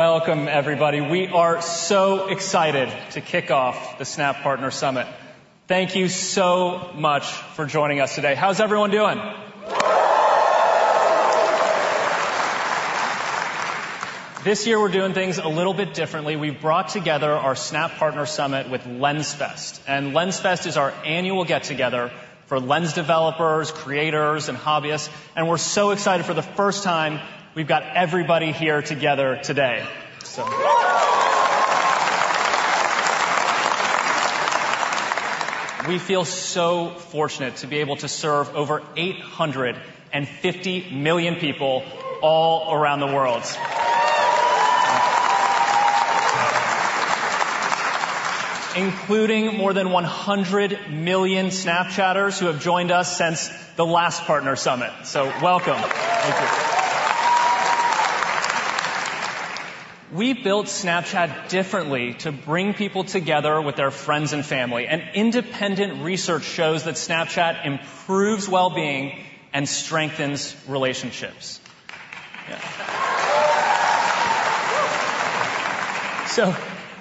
Welcome, everybody. We are so excited to kick off the Snap Partner Summit. Thank you so much for joining us today. How's everyone doing? This year, we're doing things a little bit differently. We've brought together our Snap Partner Summit with Lens Fest, and Lens Fest is our annual get-together for lens developers, creators, and hobbyists, and we're so excited for the first time, we've got everybody here together today, so. We feel so fortunate to be able to serve over eight hundred and fifty million people all around the world, including more than one hundred million Snapchatters who have joined us since the last Partner Summit. So welcome. Thank you. We built Snapchat differently to bring people together with their friends and family, and independent research shows that Snapchat improves well-being and strengthens relationships. Yeah.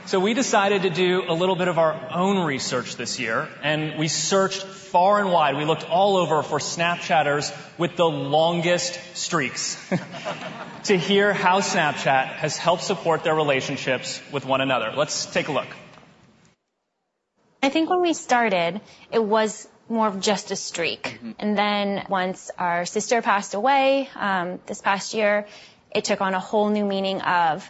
So, we decided to do a little bit of our own research this year, and we searched far and wide. We looked all over for Snapchatters with the longest streaks to hear how Snapchat has helped support their relationships with one another. Let's take a look. I think when we started, it was more of just a streak. Mm-hmm. And then once our sister passed away, this past year, it took on a whole new meaning of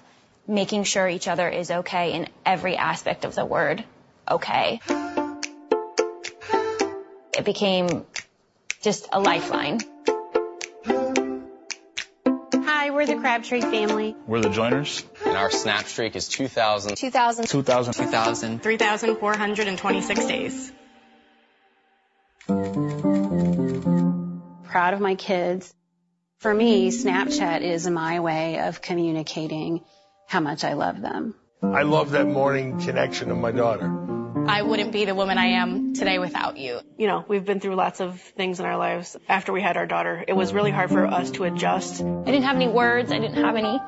making sure each other is okay in every aspect of the word okay. It became just a lifeline. Hi, we're the Crabtree family. We're the Joiners. And our Snapstreak is 2,000- Two thousand- Two thousand- Two thousand- Three thousand four hundred and twenty-six days. Proud of my kids. For me, Snapchat is my way of communicating how much I love them. I love that morning connection to my daughter. I wouldn't be the woman I am today without you. You know, we've been through lots of things in our lives. After we had our daughter, it was really hard for us to adjust. I didn't have any words, I didn't have any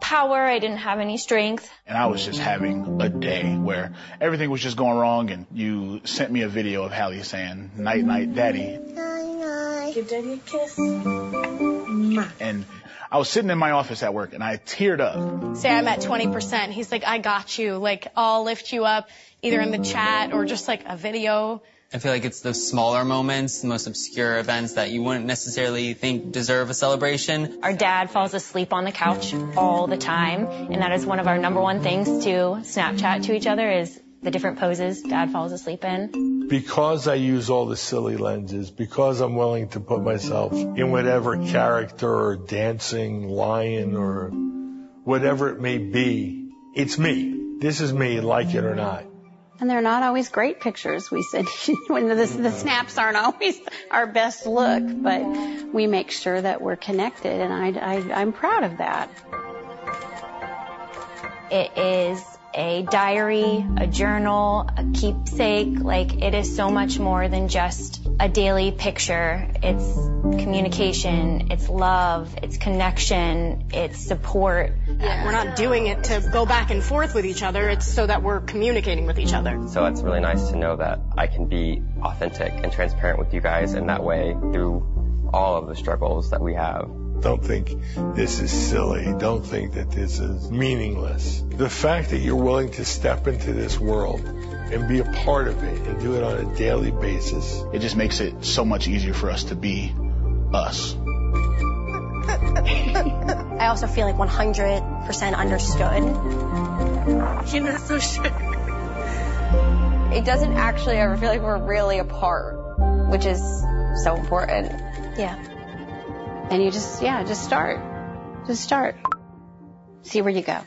power, I didn't have any strength. I was just having a day where everything was just going wrong, and you sent me a video of Halle saying, "Night, night, Daddy. Night, night. Give daddy a kiss. Mwah! I was sitting in my office at work, and I teared up. Say I'm at 20%. He's like: "I got you. Like, I'll lift you up," either in the Chat or just like a video. I feel like it's the smaller moments, the most obscure events that you wouldn't necessarily think deserve a celebration. Our dad falls asleep on the couch all the time, and that is one of our number one things to Snapchat to each other, is the different poses Dad falls asleep in. Because I use all the silly lenses, because I'm willing to put myself in whatever character or dancing lion or whatever it may be, it's me. This is me, like it or not. They're not always great pictures. We said, when the Snaps aren't always our best look, but we make sure that we're connected, and I'm proud of that. It is a diary, a journal, a keepsake. Like, it is so much more than just a daily picture. It's communication, it's love, it's connection, it's support. Yeah, we're not doing it to go back and forth with each other. It's so that we're communicating with each other. So it's really nice to know that I can be authentic and transparent with you guys in that way through all of the struggles that we have. Don't think this is silly. Don't think that this is meaningless. The fact that you're willing to step into this world and be a part of it and do it on a daily basis- It just makes it so much easier for us to be us. I also feel, like, 100% understood. You're so silly. It doesn't actually ever feel like we're really apart, which is so important. Yeah. Yeah, just start. Just start. See where you go.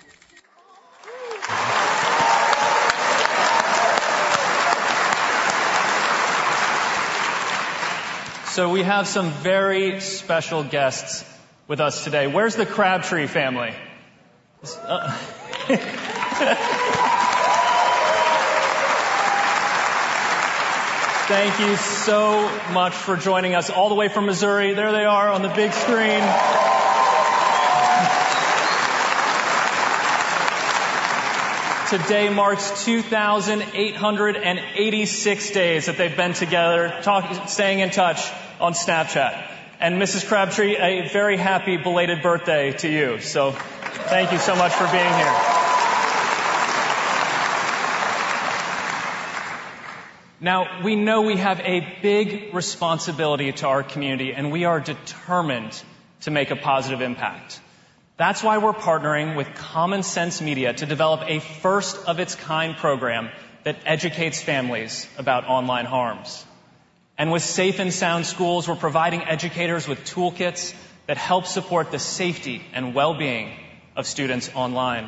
We have some very special guests with us today. Where's the Crabtree family? Thank you so much for joining us all the way from Missouri. There they are on the big screen. Today marks 2,886 days that they've been together, staying in touch on Snapchat. And Mrs. Crabtree, a very happy belated birthday to you. So thank you so much for being here. Now, we know we have a big responsibility to our community, and we are determined to make a positive impact. That's why we're partnering with Common Sense Media to develop a first-of-its-kind program that educates families about online harms. And with Safe and Sound Schools, we're providing educators with toolkits that help support the safety and well-being of students online.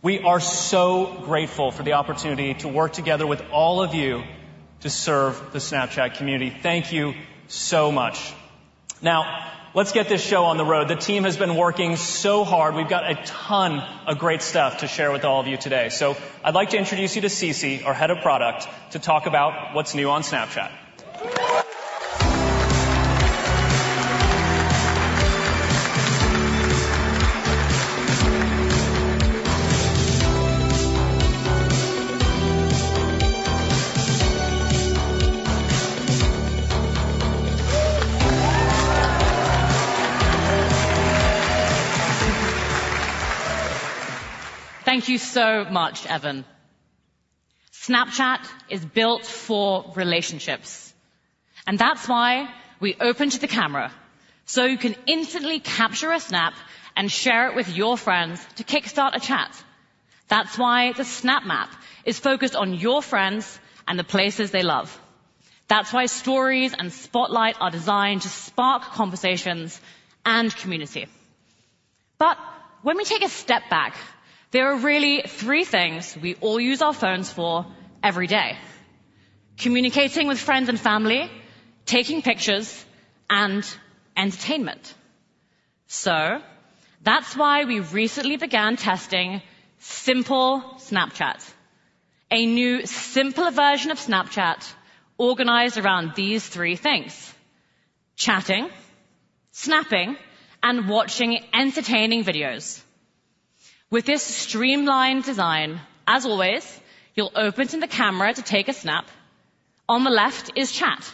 We are so grateful for the opportunity to work together with all of you to serve the Snapchat community. Thank you so much. Now, let's get this show on the road. The team has been working so hard. We've got a ton of great stuff to share with all of you today. So I'd like to introduce you to Cece, our Head of Product, to talk about what's new on Snapchat. Thank you so much, Evan. Snapchat is built for relationships, and that's why we open to the camera, so you can instantly capture a Snap and share it with your friends to kickstart a chat. That's why the Snap Map is focused on your friends and the places they love. That's why Stories and Spotlight are designed to spark conversations and community. But when we take a step back, there are really three things we all use our phones for every day: communicating with friends and family, taking pictures, and entertainment. So that's why we recently began testing Simple Snapchat, a new, simpler version of Snapchat organized around these three things: chatting, snapping, and watching entertaining videos. With this streamlined design, as always, you'll open to the camera to take a Snap. On the left is chat,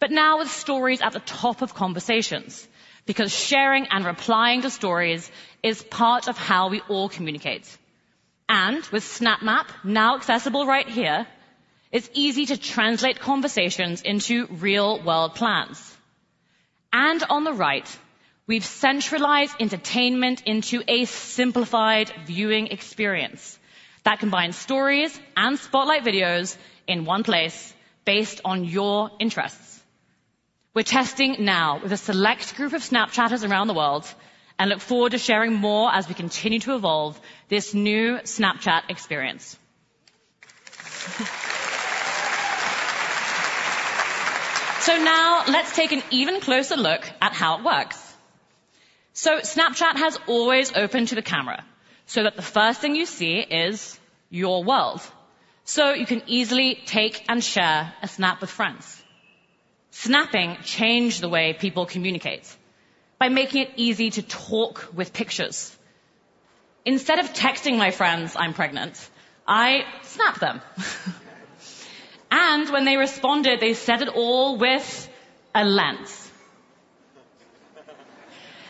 but now with Stories at the top of conversations, because sharing and replying to Stories is part of how we all communicate. And with Snap Map now accessible right here, it's easy to translate conversations into real-world plans. And on the right, we've centralized entertainment into a simplified viewing experience that combines Stories and Spotlight videos in one place based on your interests. We're testing now with a select group of Snapchatters around the world and look forward to sharing more as we continue to evolve this new Snapchat experience. So now let's take an even closer look at how it works. So Snapchat has always opened to the camera so that the first thing you see is your world, so you can easily take and share a Snap with friends. Snapping changed the way people communicate by making it easy to talk with pictures. Instead of texting my friends, "I'm pregnant," I Snap them. And when they responded, they said it all with a lens.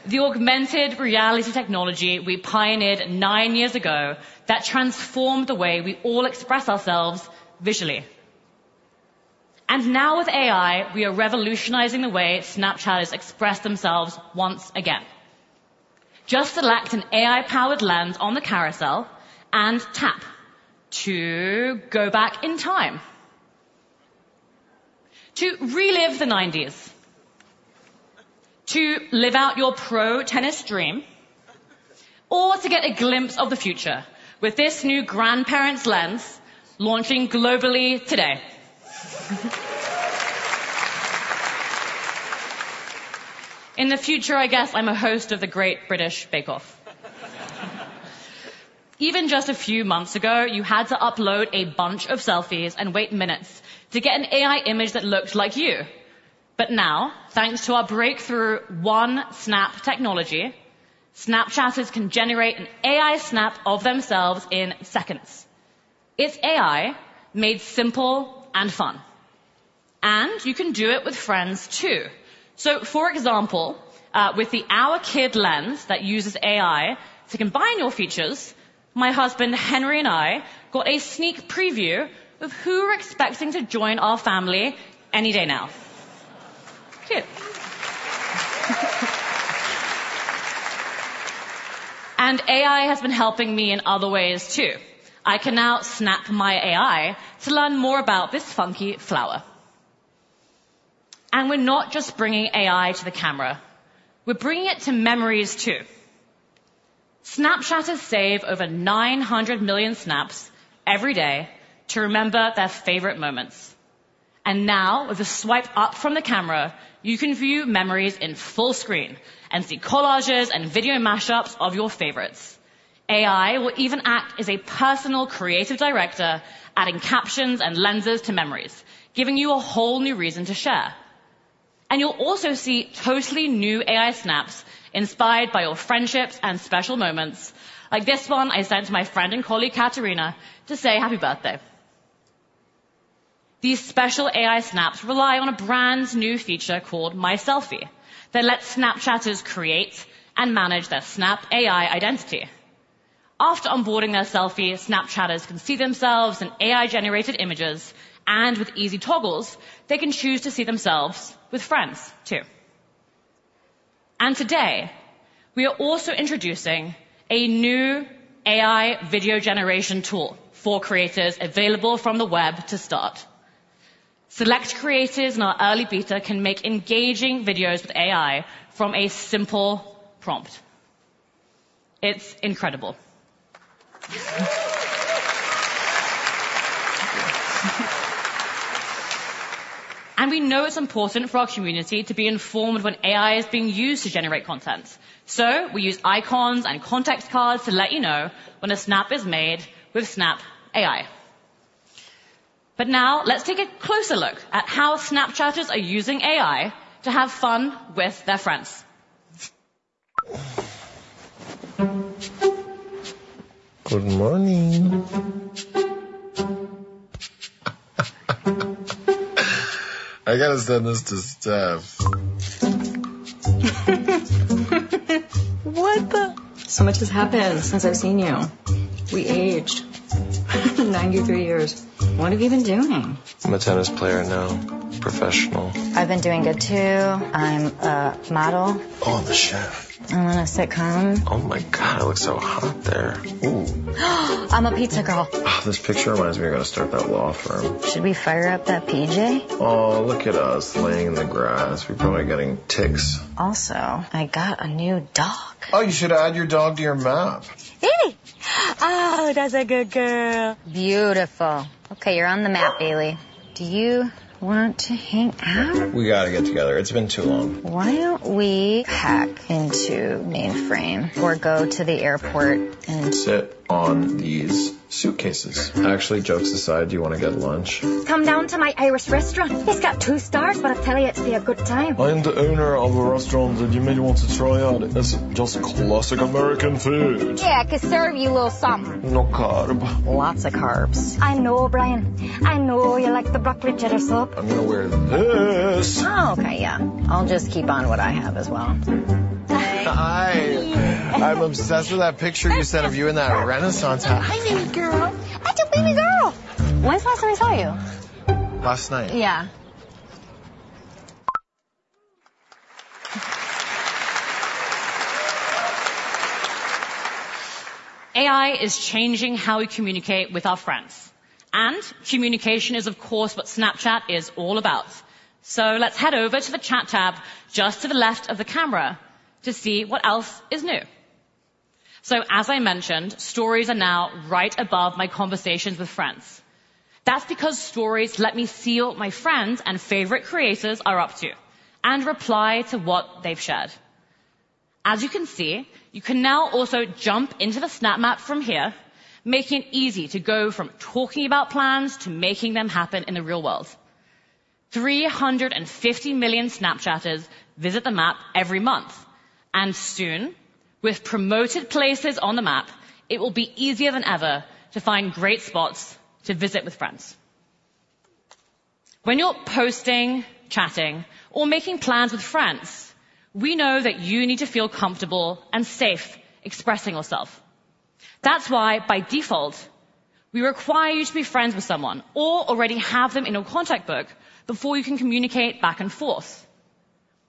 The augmented reality technology we pioneered nine years ago that transformed the way we all express ourselves visually. And now with AI, we are revolutionizing the way Snapchatters express themselves once again. Just select an AI-powered lens on the carousel and tap to go back in time, to relive the nineties, to live out your pro tennis dream, or to get a glimpse of the future with this new grandparents lens launching globally today. In the future, I guess I'm a host of the Great British Bake Off. Even just a few months ago, you had to upload a bunch of selfies and wait minutes to get an AI image that looked like you. But now, thanks to our breakthrough One Snap technology, Snapchatters can generate an AI Snap of themselves in seconds. It's AI made simple and fun. And you can do it with friends, too. So, for example, with the Our Kid lens that uses AI to combine your features, my husband, Henry, and I got a sneak preview of who we're expecting to join our family any day now. Cute! And AI has been helping me in other ways, too. I can now Snap My AI to learn more about this funky flower. And we're not just bringing AI to the camera, we're bringing it to Memories, too. Snapchatters save over 900 million Snaps every day to remember their favorite moments. And now, with a swipe up from the camera, you can view Memories in full screen and see collages and video mashups of your favorites. AI will even act as a personal creative director, adding captions and lenses to Memories, giving you a whole new reason to share. And you'll also see totally new AI Snaps inspired by your friendships and special moments, like this one I sent to my friend and colleague, Katarina, to say happy birthday. These special AI Snaps rely on a brand-new feature called My Selfie that lets Snapchatters create and manage their Snap AI identity. After onboarding their selfie, Snapchatters can see themselves in AI-generated images, and with easy toggles, they can choose to see themselves with friends, too. And today, we are also introducing a new AI video generation tool for creators available from the web to start. Select creators in our early beta can make engaging videos with AI from a simple prompt. It's incredible. We know it's important for our community to be informed when AI is being used to generate content, so we use icons and context cards to let you know when a Snap is made with Snap AI. Now let's take a closer look at how Snapchatters are using AI to have fun with their friends. Good morning. I gotta send this to Steph. What the? So much has happened since I've seen you. We aged. Ninety-three years. What have you been doing? I'm a tennis player now, professional. I've been doing good, too. I'm a model. Oh, I'm a chef. I'm on a sitcom. Oh, my God, you look so hot there! Ooh! I'm a pizza girl. Oh, this picture reminds me of when I started that law firm. Should we fire up that PJ? Oh, look at us laying in the grass. We're probably getting ticks. Also, I got a new dog. Oh, you should add your dog to your map. Bailey! Oh, that's a good girl. Beautiful. Okay, you're on the map, Bailey. Do you want to hang out? We gotta get together. It's been too long. Why don't we hack into mainframe or go to the airport and- Sit on these suitcases? Actually, jokes aside, do you want to get lunch? Come down to my Irish restaurant. It's got two stars, but I tell you, it'll be a good time. I'm the owner of a restaurant that you may want to try out. It's just classic American food. Yeah, I could serve you a little something. No carb. Lots of carbs. I know, Brian. I know you like the broccoli cheddar soup. I'm gonna wear this. Oh, okay. Yeah. I'll just keep on what I have as well. Hi. I'm obsessed with that picture you sent of you in that Renaissance hat. Hi, baby girl. That's a baby girl! When's the last time I saw you? Last night. Yeah. AI is changing how we communicate with our friends, and communication is, of course, what Snapchat is all about. So let's head over to the Chat tab, just to the left of the camera, to see what else is new. So, as I mentioned, Stories are now right above my conversations with friends. That's because Stories let me see what my friends and favorite creators are up to and reply to what they've shared. As you can see, you can now also jump into the Snap Map from here, making it easy to go from talking about plans to making them happen in the real world. Three hundred and fifty million Snapchatters visit the map every month, and soon, with Promoted Places on the map, it will be easier than ever to find great spots to visit with friends. When you're posting, chatting, or making plans with friends, we know that you need to feel comfortable and safe expressing yourself. That's why, by default, we require you to be friends with someone or already have them in your contact book before you can communicate back and forth.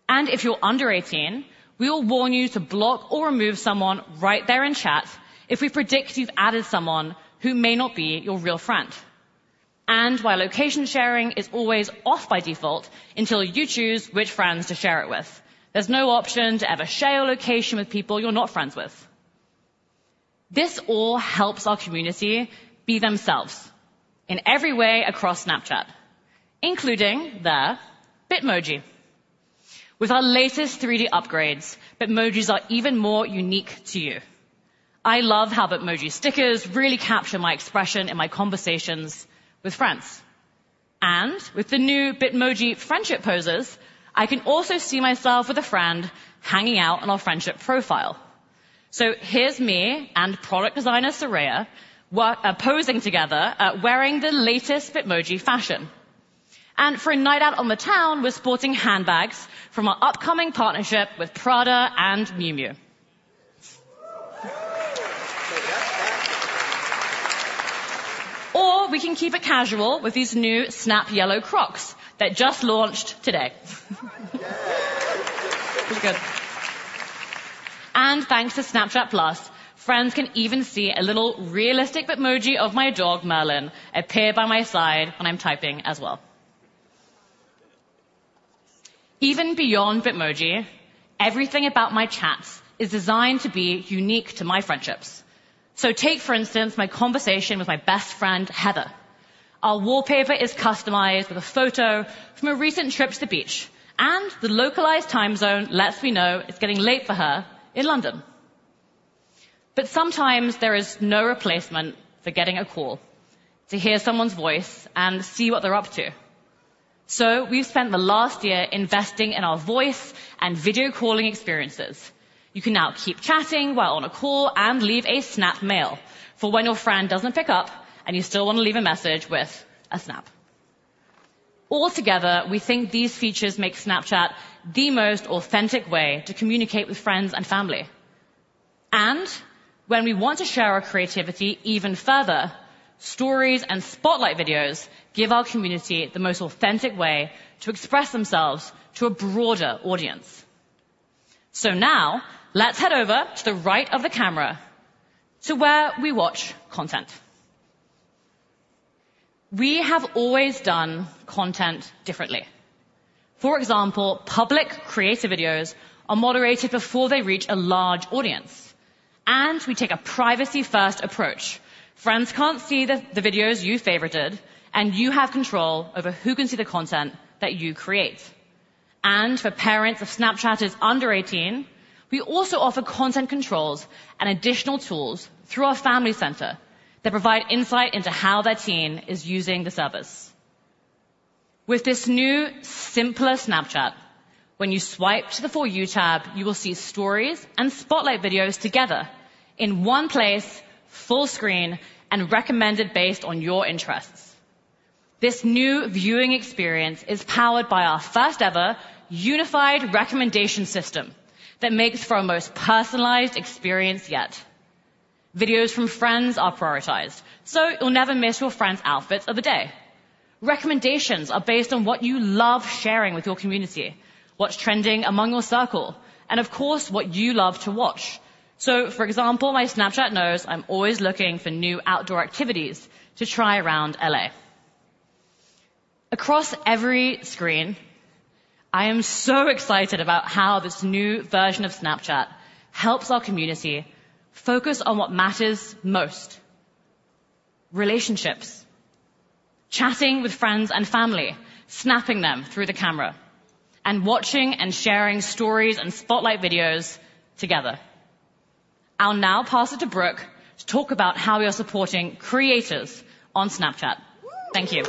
And if you're under eighteen, we will warn you to block or remove someone right there in chat if we predict you've added someone who may not be your real friend. And while location sharing is always off by default until you choose which friends to share it with, there's no option to ever share your location with people you're not friends with. This all helps our community be themselves in every way across Snapchat, including their Bitmoji. With our latest 3D upgrades, Bitmojis are even more unique to you. I love how Bitmoji stickers really capture my expression in my conversations with friends. And with the new Bitmoji friendship poses, I can also see myself with a friend hanging out on our friendship profile. So here's me and product designer, Soraya, posing together, wearing the latest Bitmoji fashion. And for a night out on the town, we're sporting handbags from our upcoming partnership with Prada and Miu Miu. Or we can keep it casual with these new Snap yellow Crocs that just launched today. Pretty good. And thanks to Snapchat+, friends can even see a little realistic Bitmoji of my dog, Merlin, appear by my side when I'm typing as well. Even beyond Bitmoji, everything about my chats is designed to be unique to my friendships. So take, for instance, my conversation with my best friend, Heather. Our wallpaper is customized with a photo from a recent trip to the beach, and the localized time zone lets me know it's getting late for her in London, but sometimes there is no replacement for getting a call to hear someone's voice and see what they're up to, so we've spent the last year investing in our voice and video calling experiences. You can now keep chatting while on a call and leave a Snap mail for when your friend doesn't pick up and you still want to leave a message with a Snap. Altogether, we think these features make Snapchat the most authentic way to communicate with friends and family, and when we want to share our creativity even further, Stories and Spotlight videos give our community the most authentic way to express themselves to a broader audience. So now, let's head over to the right of the camera, to where we watch content. We have always done content differently. For example, public creative videos are moderated before they reach a large audience, and we take a privacy-first approach. Friends can't see the videos you favorited, and you have control over who can see the content that you create. And for parents of Snapchatters under eighteen, we also offer content controls and additional tools through our Family Center that provide insight into how their teen is using the service. With this new, simpler Snapchat, when you swipe to the For You tab, you will see Stories and Spotlight videos together in one place, full screen, and recommended based on your interests. This new viewing experience is powered by our first-ever unified recommendation system that makes for our most personalized experience yet. Videos from friends are prioritized, so you'll never miss your friend's outfit of the day. Recommendations are based on what you love sharing with your community, what's trending among your circle, and of course, what you love to watch, so for example, my Snapchat knows I'm always looking for new outdoor activities to try around LA. Across every screen, I am so excited about how this new version of Snapchat helps our community focus on what matters most: relationships, chatting with friends and family, snapping them through the camera, and watching and sharing Stories and Spotlight videos together. I'll now pass it to Brooke to talk about how we are supporting creators on Snapchat. Thank you.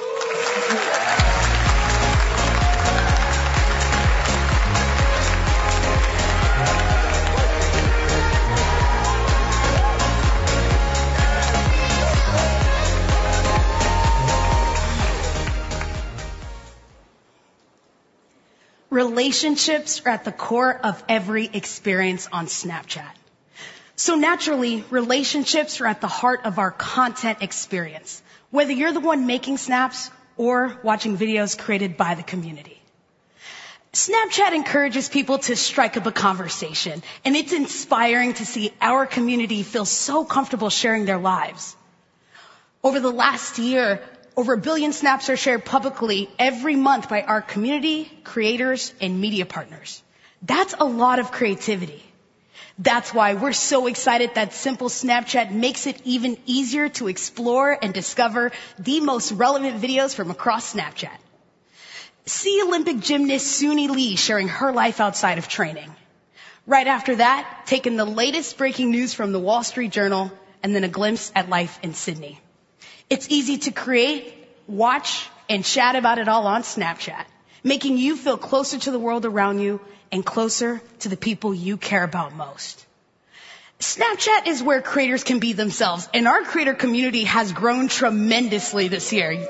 Relationships are at the core of every experience on Snapchat. So naturally, relationships are at the heart of our content experience, whether you're the one making snaps or watching videos created by the community. Snapchat encourages people to strike up a conversation, and it's inspiring to see our community feel so comfortable sharing their lives. Over the last year, over a billion snaps are shared publicly every month by our community, creators, and media partners. That's a lot of creativity. That's why we're so excited that Simple Snapchat makes it even easier to explore and discover the most relevant videos from across Snapchat. See Olympic gymnast Suni Lee sharing her life outside of training. Right after that, taking the latest breaking news from The Wall Street Journal and then a glimpse at life in Sydney. It's easy to create, watch, and chat about it all on Snapchat, making you feel closer to the world around you and closer to the people you care about most. Snapchat is where creators can be themselves, and our creator community has grown tremendously this year.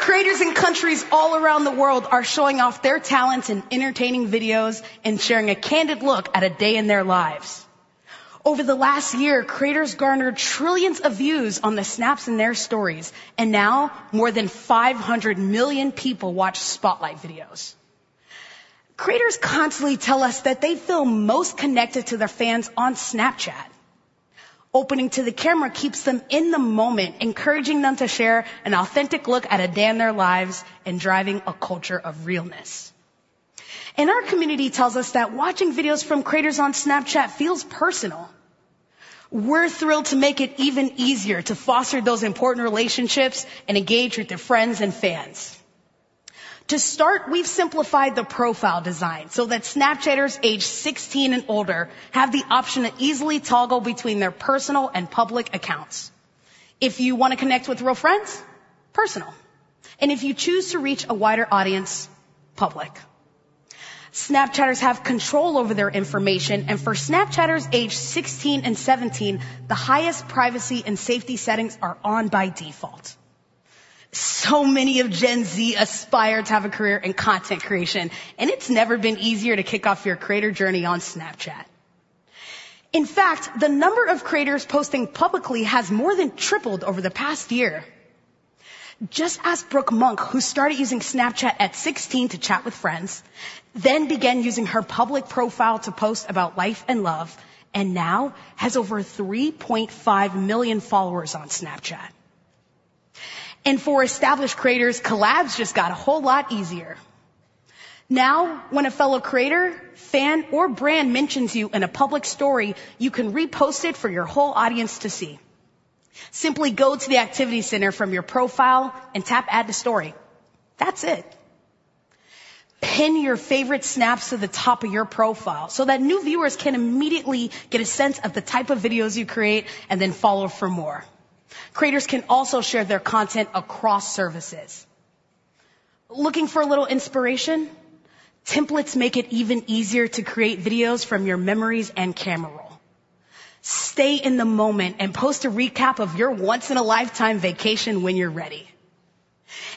Creators in countries all around the world are showing off their talents in entertaining videos and sharing a candid look at a day in their lives. Over the last year, creators garnered trillions of views on the snaps in their Stories, and now more than 500 million people watch Spotlight videos. Creators constantly tell us that they feel most connected to their fans on Snapchat. Opening to the camera keeps them in the moment, encouraging them to share an authentic look at a day in their lives and driving a culture of realness. Our community tells us that watching videos from creators on Snapchat feels personal. We're thrilled to make it even easier to foster those important relationships and engage with their friends and fans. To start, we've simplified the profile design so that Snapchatters aged sixteen and older have the option to easily toggle between their personal and public accounts. If you want to connect with real friends, personal, and if you choose to reach a wider audience, public. Snapchatters have control over their information, and for Snapchatters aged sixteen and seventeen, the highest privacy and safety settings are on by default. Many of Gen Z aspire to have a career in content creation, and it's never been easier to kick off your creator journey on Snapchat. In fact, the number of creators posting publicly has more than tripled over the past year. Just ask Brooke Monk, who started using Snapchat at sixteen to chat with friends, then began using her public profile to post about life and love, and now has over 3.5 million followers on Snapchat. And for established creators, collabs just got a whole lot easier. Now, when a fellow creator, fan, or brand mentions you in a public Story, you can repost it for your whole audience to see. Simply go to the Activity Center from your profile and tap Add to Story. That's it. Pin your favorite snaps to the top of your profile so that new viewers can immediately get a sense of the type of videos you create and then follow for more. Creators can also share their content across services. Looking for a little inspiration? Templates make it even easier to create videos from your memories and camera roll. Stay in the moment and post a recap of your once-in-a-lifetime vacation when you're ready.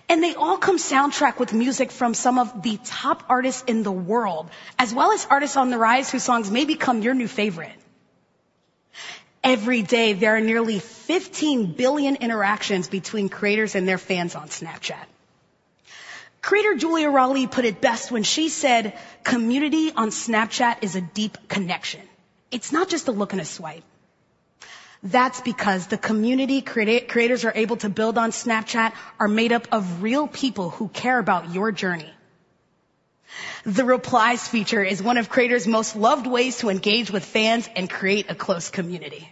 And they all come soundtracked with music from some of the top artists in the world, as well as artists on the rise whose songs may become your new favorite. Every day, there are nearly fifteen billion interactions between creators and their fans on Snapchat. Creator Julia Raleigh put it best when she said, "Community on Snapchat is a deep connection. It's not just a look and a swipe." That's because the creators are able to build on Snapchat are made up of real people who care about your journey. The Replies feature is one of creators' most loved ways to engage with fans and create a close community.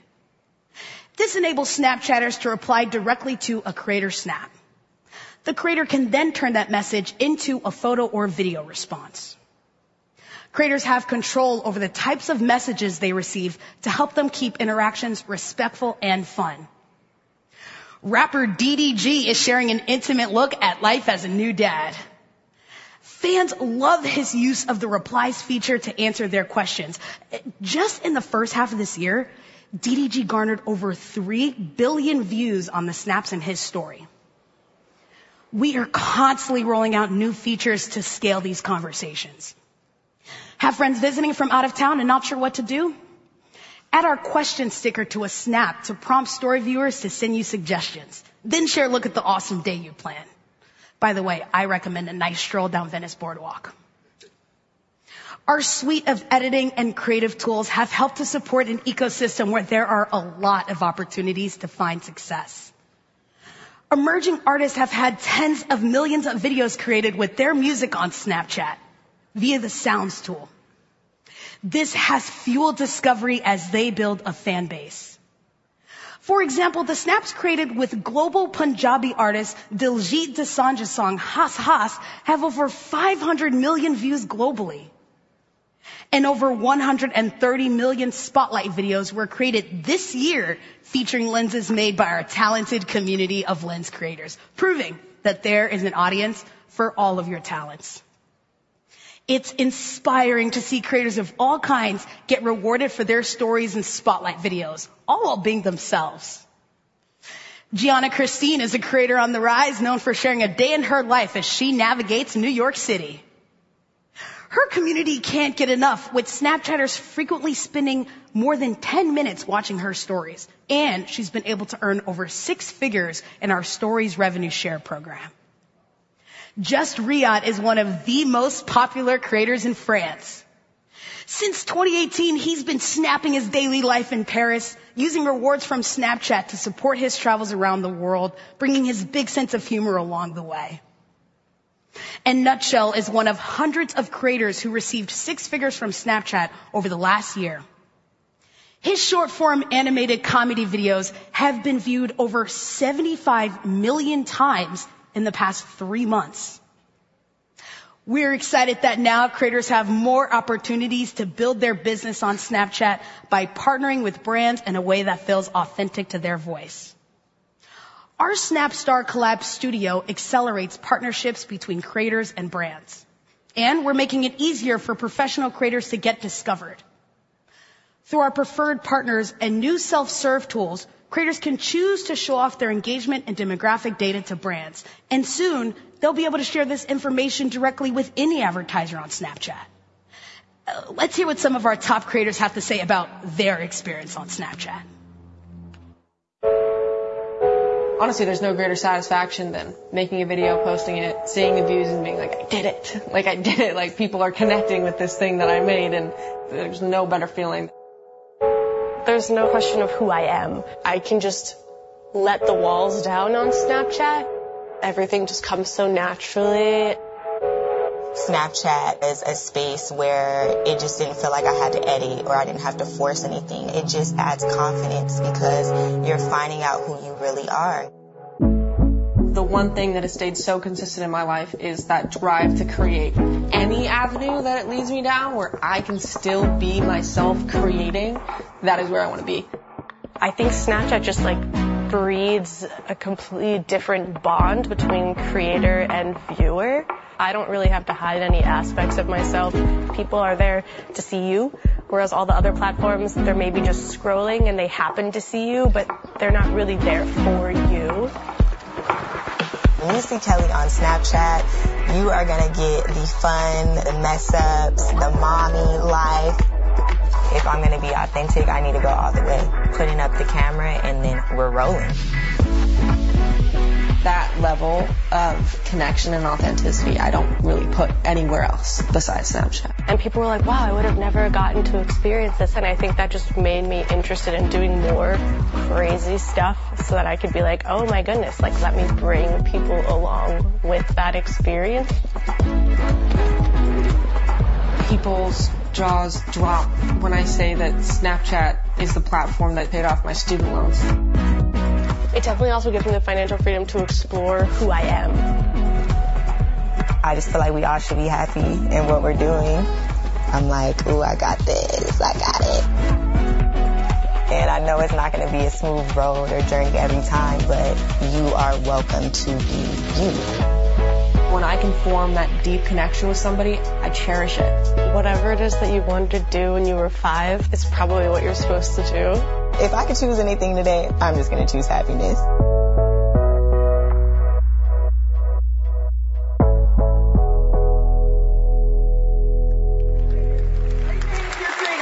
This enables Snapchatters to reply directly to a creator Snap. The creator can then turn that message into a photo or video response. Creators have control over the types of messages they receive to help them keep interactions respectful and fun. Rapper DDG is sharing an intimate look at life as a new dad. Fans love his use of the Replies feature to answer their questions. Just in the first half of this year, DDG garnered over three billion views on the Snaps in his story. We are constantly rolling out new features to scale these conversations. Have friends visiting from out of town and not sure what to do? Add our question sticker to a Snap to prompt story viewers to send you suggestions, then share a look at the awesome day you plan. By the way, I recommend a nice stroll down Venice Boardwalk. Our suite of editing and creative tools have helped to support an ecosystem where there are a lot of opportunities to find success. Emerging artists have had tens of millions of videos created with their music on Snapchat via the Sounds tool. This has fueled discovery as they build a fan base. For example, the Snaps created with global Punjabi artist Diljit Dosanjh's song Hass Hass have over 500 million views globally, and over 130 million Spotlight videos were created this year featuring lenses made by our talented community of lens creators, proving that there is an audience for all of your talents. It's inspiring to see creators of all kinds get rewarded for their stories and Spotlight videos, all while being themselves. Gianna Christine is a creator on the rise, known for sharing a day in her life as she navigates New York City. Her community can't get enough, with Snapchatters frequently spending more than 10 minutes watching her stories, and she's been able to earn over six figures in our Stories Revenue Share Program. Just Riadh is one of the most popular creators in France. Since 2018, he's been snapping his daily life in Paris, using rewards from Snapchat to support his travels around the world, bringing his big sense of humor along the way. And Nutshell is one of hundreds of creators who received six figures from Snapchat over the last year. His short-form animated comedy videos have been viewed over 75 million times in the past three months. We're excited that now creators have more opportunities to build their business on Snapchat by partnering with brands in a way that feels authentic to their voice. Our Snap Star Collab Studio accelerates partnerships between creators and brands, and we're making it easier for professional creators to get discovered. Through our preferred partners and new self-serve tools, creators can choose to show off their engagement and demographic data to brands, and soon they'll be able to share this information directly with any advertiser on Snapchat. Let's hear what some of our top creators have to say about their experience on Snapchat. Honestly, there's no greater satisfaction than making a video, posting it, seeing the views, and being like, "I did it! Like, I did it. Like, people are connecting with this thing that I made," and there's no better feeling. There's no question of who I am. I can just let the walls down on Snapchat. Everything just comes so naturally. Snapchat is a space where it just didn't feel like I had to edit or I didn't have to force anything. It just adds confidence because you're finding out who you really are. The one thing that has stayed so consistent in my life is that drive to create. Any avenue that it leads me down, where I can still be myself creating, that is where I want to be. I think Snapchat just, like, breeds a completely different bond between creator and viewer. I don't really have to hide any aspects of myself. People are there to see you, whereas all the other platforms, they're maybe just scrolling, and they happen to see you, but they're not really there for you. When you see Kelly on Snapchat, you are gonna get the fun, the mess-ups, the mommy life. If I'm gonna be authentic, I need to go all the way. Putting up the camera, and then we're rolling. That level of connection and authenticity, I don't really put anywhere else besides Snapchat. People were like, "Wow, I would have never gotten to experience this," and I think that just made me interested in doing more crazy stuff so that I could be like, "Oh, my goodness," like, let me bring people along with that experience. People's jaws drop when I say that Snapchat is the platform that paid off my student loans. It definitely also gives me the financial freedom to explore who I am. I just feel like we all should be happy in what we're doing. I'm like, "Ooh, I got this. I got it," and I know it's not gonna be a smooth road or journey every time, but you are welcome to be you. When I can form that deep connection with somebody, I cherish it. Whatever it is that you wanted to do when you were five is probably what you're supposed to do. If I could choose anything today, I'm just gonna choose happiness.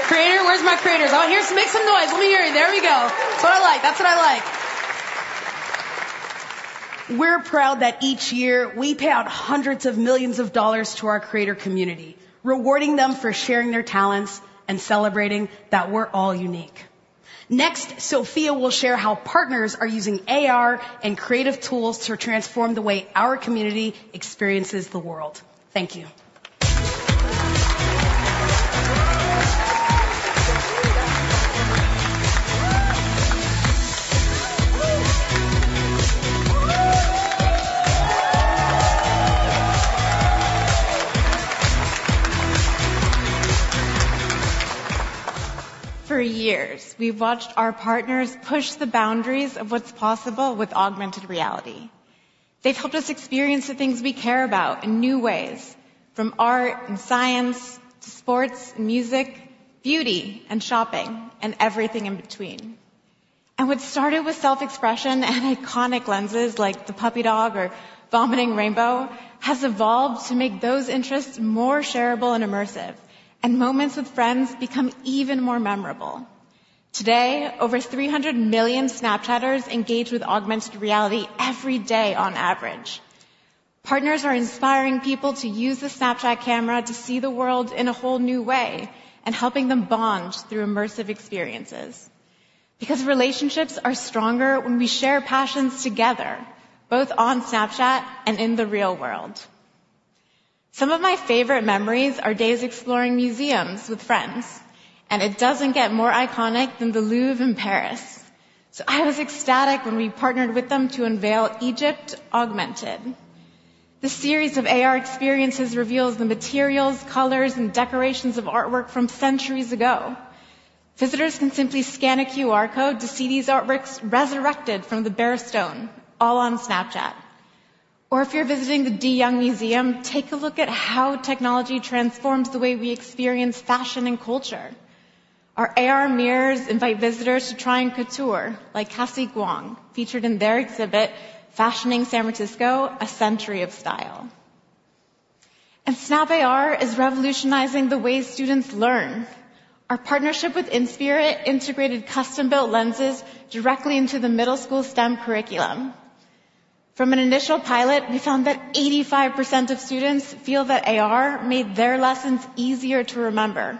Creators, where's my creators? Oh, here. Make some noise. Let me hear you. There we go. That's what I like. That's what I like. We're proud that each year we pay out hundreds of millions of dollars to our creator community, rewarding them for sharing their talents and celebrating that we're all unique. Next, Sophia will share how partners are using AR and creative tools to transform the way our community experiences the world. Thank you. For years, we've watched our partners push the boundaries of what's possible with augmented reality. They've helped us experience the things we care about in new ways, from art and science to sports, music, beauty, and shopping, and everything in between, and what started with self-expression and iconic lenses, like the puppy dog or vomiting rainbow, has evolved to make those interests more shareable and immersive, and moments with friends become even more memorable. Today, over three hundred million Snapchatters engage with augmented reality every day on average. Partners are inspiring people to use the Snapchat camera to see the world in a whole new way and helping them bond through immersive experiences. Because relationships are stronger when we share passions together, both on Snapchat and in the real world. Some of my favorite memories are days exploring museums with friends, and it doesn't get more iconic than the Louvre in Paris. So I was ecstatic when we partnered with them to unveil Egypt Augmented. This series of AR experiences reveals the materials, colors, and decorations of artwork from centuries ago. Visitors can simply scan a QR code to see these artworks resurrected from the bare stone, all on Snapchat. Or if you're visiting the De Young Museum, take a look at how technology transforms the way we experience fashion and culture. Our AR mirrors invite visitors to try on couture like Kaisik Wong, featured in their exhibit, Fashioning San Francisco: A Century of Style. And Snap AR is revolutionizing the way students learn. Our partnership with Inspirit integrated custom-built lenses directly into the middle school STEM curriculum. From an initial pilot, we found that 85% of students feel that AR made their lessons easier to remember.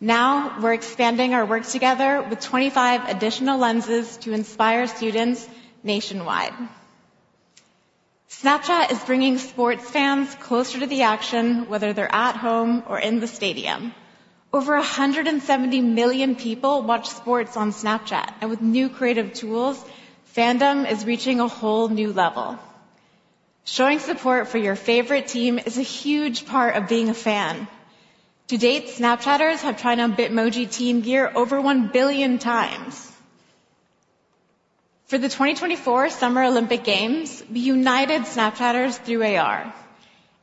Now, we're expanding our work together with 25 additional lenses to inspire students nationwide. Snapchat is bringing sports fans closer to the action, whether they're at home or in the stadium. Over 170 million people watch sports on Snapchat, and with new creative tools, fandom is reaching a whole new level. Showing support for your favorite team is a huge part of being a fan. To date, Snapchatters have tried on Bitmoji team gear over 1 billion times. For the 2024 Summer Olympic Games, we united Snapchatters through AR.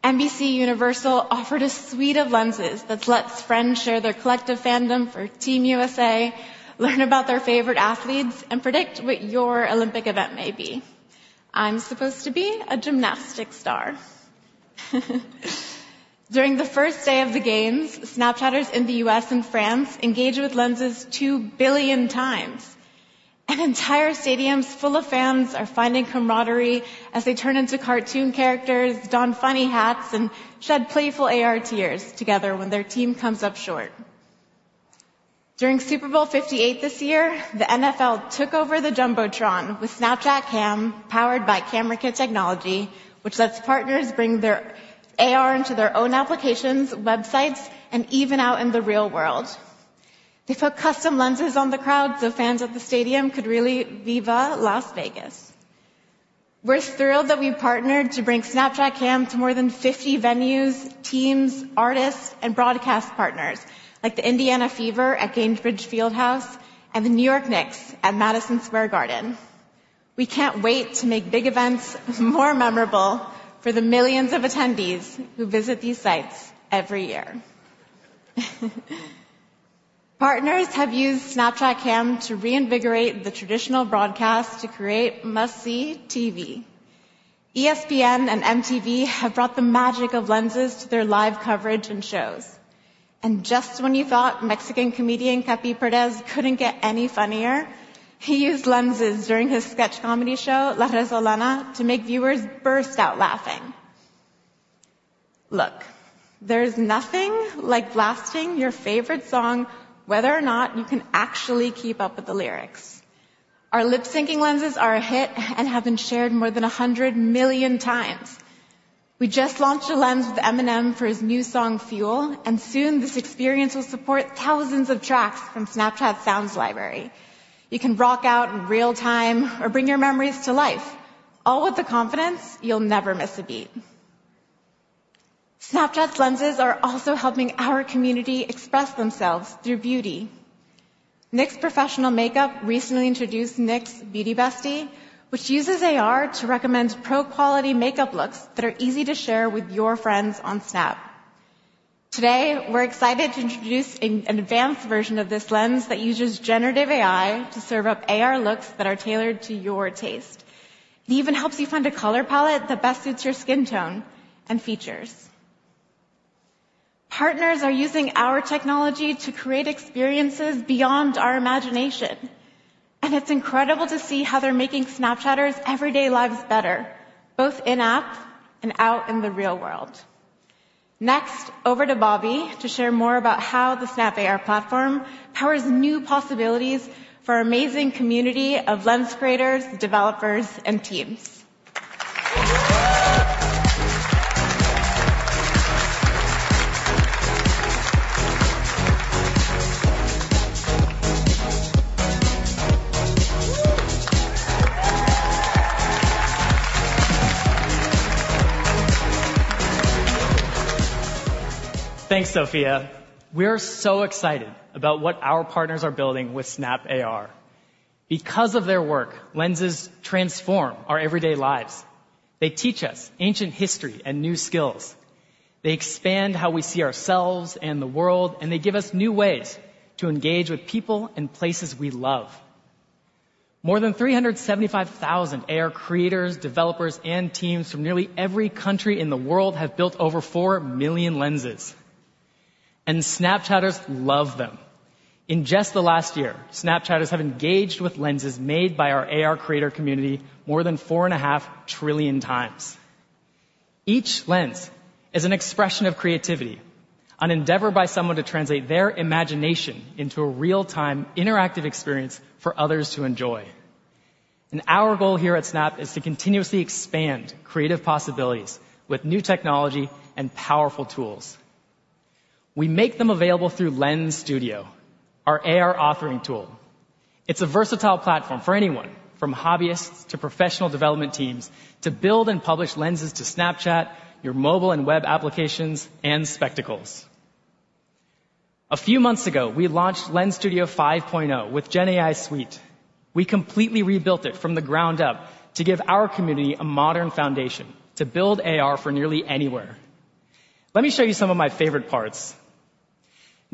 NBCUniversal offered a suite of lenses that lets friends share their collective fandom for Team USA, learn about their favorite athletes, and predict what your Olympic event may be. I'm supposed to be a gymnastics star. During the first day of the games, Snapchatters in the U.S. and France engaged with lenses 2 billion times, and entire stadiums full of fans are finding camaraderie as they turn into cartoon characters, don funny hats, and shed playful AR tears together when their team comes up short. During Super Bowl Fifty-Eight this year, the NFL took over the jumbotron with Snapchat Cam, powered by Camera Kit technology, which lets partners bring their AR into their own applications, websites, and even out in the real world. They put custom lenses on the crowd so fans at the stadium could really Viva Las Vegas. We're thrilled that we've partnered to bring Snapchat Cam to more than 50 venues, teams, artists, and broadcast partners, like the Indiana Fever at Gainbridge Fieldhouse and the New York Knicks at Madison Square Garden. We can't wait to make big events more memorable for the millions of attendees who visit these sites every year. Partners have used Snapchat Cam to reinvigorate the traditional broadcast to create must-see TV. ESPN and MTV have brought the magic of lenses to their live coverage and shows. And just when you thought Mexican comedian, Capi Pérez, couldn't get any funnier, he used lenses during his sketch comedy show, La Resolana, to make viewers burst out laughing. Look, there's nothing like blasting your favorite song, whether or not you can actually keep up with the lyrics. Our lip-syncing lenses are a hit and have been shared more than a hundred million times. We just launched a lens with Eminem for his new song, Fuel, and soon this experience will support thousands of tracks from Snapchat's Sounds Library. You can rock out in real time or bring your memories to life, all with the confidence you'll never miss a beat. Snapchat's lenses are also helping our community express themselves through beauty. NYX Professional Makeup recently introduced NYX Beauty Bestie, which uses AR to recommend pro-quality makeup looks that are easy to share with your friends on Snap. Today, we're excited to introduce an advanced version of this lens that uses generative AI to serve up AR looks that are tailored to your taste. It even helps you find a color palette that best suits your skin tone and features. Partners are using our technology to create experiences beyond our imagination, and it's incredible to see how they're making Snapchatters' everyday lives better, both in-app and out in the real world. Next, over to Bobby to share more about how the Snap AR platform powers new possibilities for our amazing community of lens creators, developers, and teams. Thanks, Sophia. We are so excited about what our partners are building with Snap AR. Because of their work, lenses transform our everyday lives. They teach us ancient history and new skills. They expand how we see ourselves and the world, and they give us new ways to engage with people and places we love. More than 375,000 AR creators, developers, and teams from nearly every country in the world have built over 4 million lenses, and Snapchatters love them. In just the last year, Snapchatters have engaged with lenses made by our AR creator community more than 4.5 trillion times. Each lens is an expression of creativity, an endeavor by someone to translate their imagination into a real-time, interactive experience for others to enjoy. And our goal here at Snap is to continuously expand creative possibilities with new technology and powerful tools. We make them available through Lens Studio, our AR authoring tool. It's a versatile platform for anyone, from hobbyists to professional development teams, to build and publish lenses to Snapchat, your mobile and web applications, and Spectacles. A few months ago, we launched Lens Studio 5.0 with Gen AI Suite. We completely rebuilt it from the ground up to give our community a modern foundation to build AR for nearly anywhere. Let me show you some of my favorite parts.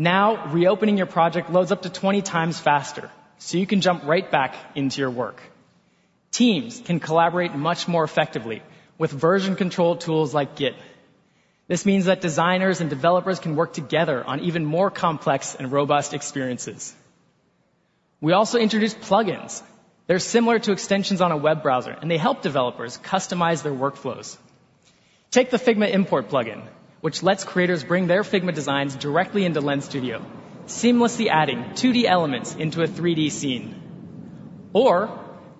Now, reopening your project loads up to 20 times faster, so you can jump right back into your work. Teams can collaborate much more effectively with version control tools like Git. This means that designers and developers can work together on even more complex and robust experiences. We also introduced plugins. They're similar to extensions on a web browser, and they help developers customize their workflows. Take the Figma import plugin, which lets creators bring their Figma designs directly into Lens Studio, seamlessly adding 2D elements into a 3D scene. Or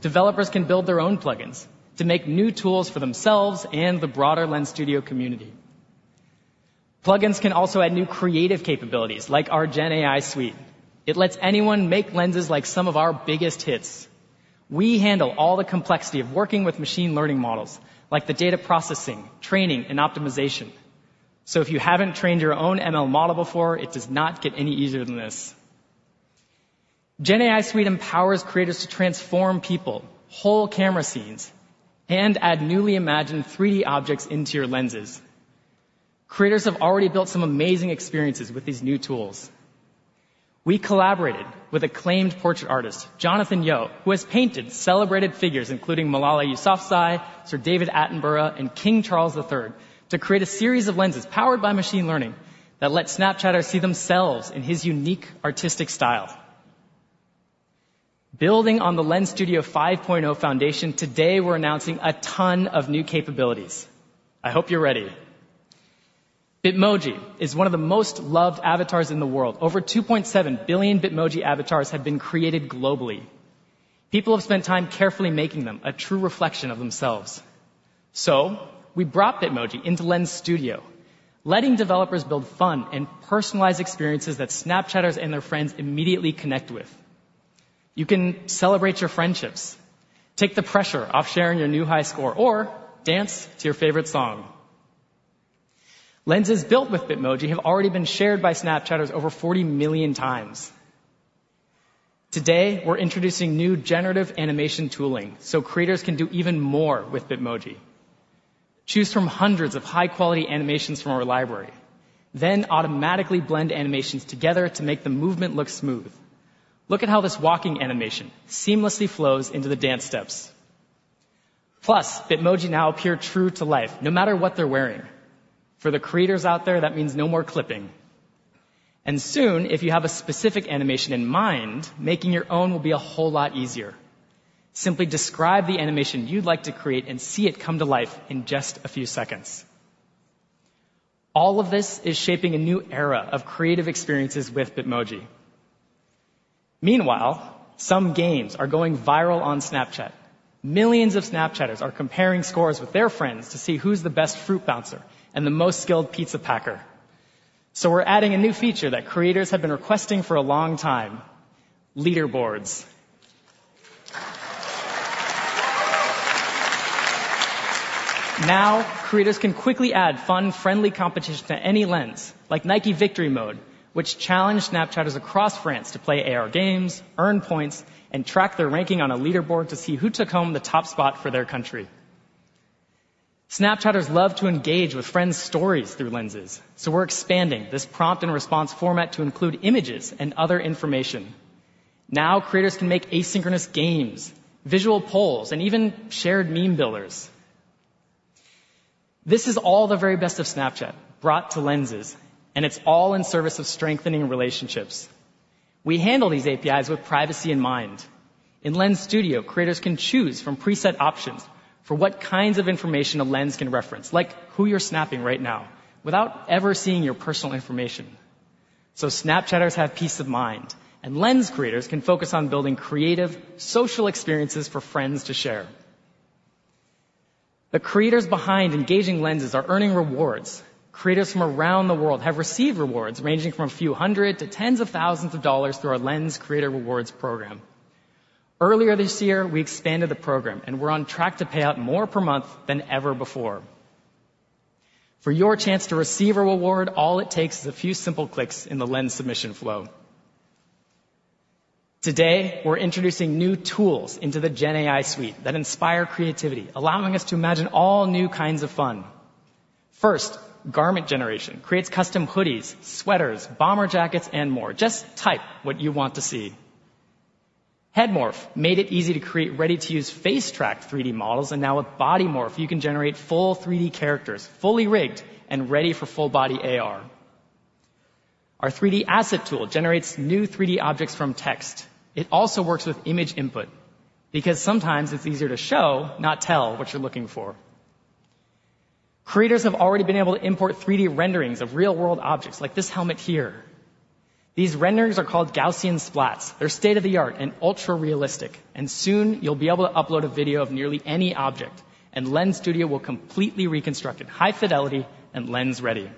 developers can build their own plugins to make new tools for themselves and the broader Lens Studio community. Plugins can also add new creative capabilities, like our Gen AI Suite. It lets anyone make lenses like some of our biggest hits. We handle all the complexity of working with machine learning models, like the data processing, training, and optimization. So if you haven't trained your own ML model before, it does not get any easier than this. Gen AI Suite empowers creators to transform people, whole camera scenes, and add newly imagined 3D objects into your lenses. Creators have already built some amazing experiences with these new tools. We collaborated with acclaimed portrait artist Jonathan Yeo, who has painted celebrated figures including Malala Yousafzai, Sir David Attenborough, and King Charles III, to create a series of lenses powered by machine learning that let Snapchatters see themselves in his unique artistic style. Building on the Lens Studio 5.0 foundation, today we're announcing a ton of new capabilities. I hope you're ready. Bitmoji is one of the most loved avatars in the world. Over 2.7 billion Bitmoji avatars have been created globally. People have spent time carefully making them a true reflection of themselves. So we brought Bitmoji into Lens Studio, letting developers build fun and personalized experiences that Snapchatters and their friends immediately connect with. You can celebrate your friendships, take the pressure off sharing your new high score, or dance to your favorite song. Lenses built with Bitmoji have already been shared by Snapchatters over 40 million times. Today, we're introducing new generative animation tooling so creators can do even more with Bitmoji. Choose from hundreds of high-quality animations from our library, then automatically blend animations together to make the movement look smooth. Look at how this walking animation seamlessly flows into the dance steps. Plus, Bitmoji now appear true to life, no matter what they're wearing. For the creators out there, that means no more clipping. And soon, if you have a specific animation in mind, making your own will be a whole lot easier. Simply describe the animation you'd like to create and see it come to life in just a few seconds. All of this is shaping a new era of creative experiences with Bitmoji. Meanwhile, some games are going viral on Snapchat. Millions of Snapchatters are comparing scores with their friends to see who's the best fruit bouncer and the most skilled pizza packer. So we're adding a new feature that creators have been requesting for a long time: leaderboards. Now, creators can quickly add fun, friendly competition to any lens, like Nike Victory Mode, which challenged Snapchatters across France to play AR games, earn points, and track their ranking on a leaderboard to see who took home the top spot for their country. Snapchatters love to engage with friends' stories through lenses, so we're expanding this prompt and response format to include images and other information. Now, creators can make asynchronous games, visual polls, and even shared meme builders. This is all the very best of Snapchat brought to lenses, and it's all in service of strengthening relationships. We handle these APIs with privacy in mind. In Lens Studio, creators can choose from preset options for what kinds of information a lens can reference, like who you're snapping right now, without ever seeing your personal information. So Snapchatters have peace of mind, and lens creators can focus on building creative social experiences for friends to share. The creators behind engaging lenses are earning rewards. Creators from around the world have received rewards ranging from a few hundred to tens of thousands of dollars through our Lens Creator Rewards program. Earlier this year, we expanded the program, and we're on track to pay out more per month than ever before. For your chance to receive a reward, all it takes is a few simple clicks in the lens submission flow. Today, we're introducing new tools into the Gen AI Suite that inspire creativity, allowing us to imagine all new kinds of fun. First, Garment Generation creates custom hoodies, sweaters, bomber jackets, and more. Just type what you want to see. Head Morph made it easy to create ready-to-use face-tracked 3D models, and now with Body Morph, you can generate full 3D characters, fully rigged and ready for full-body AR. Our 3D asset tool generates new 3D objects from text. It also works with image input, because sometimes it's easier to show, not tell, what you're looking for. Creators have already been able to import 3D renderings of real-world objects, like this helmet here. These renderings are called Gaussian splats. They're state-of-the-art and ultra-realistic, and soon you'll be able to upload a video of nearly any object, and Lens Studio will completely reconstruct it, high fidelity and lens ready.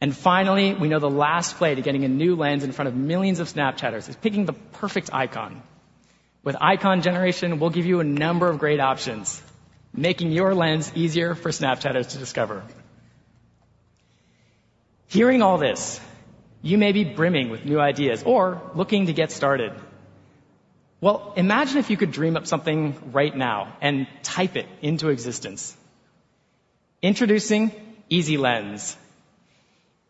And finally, we know the last play to getting a new lens in front of millions of Snapchatters is picking the perfect icon. With Icon Generation, we'll give you a number of great options, making your lens easier for Snapchatters to discover. Hearing all this, you may be brimming with new ideas or looking to get started. Imagine if you could dream up something right now and type it into existence. Introducing Easy Lens.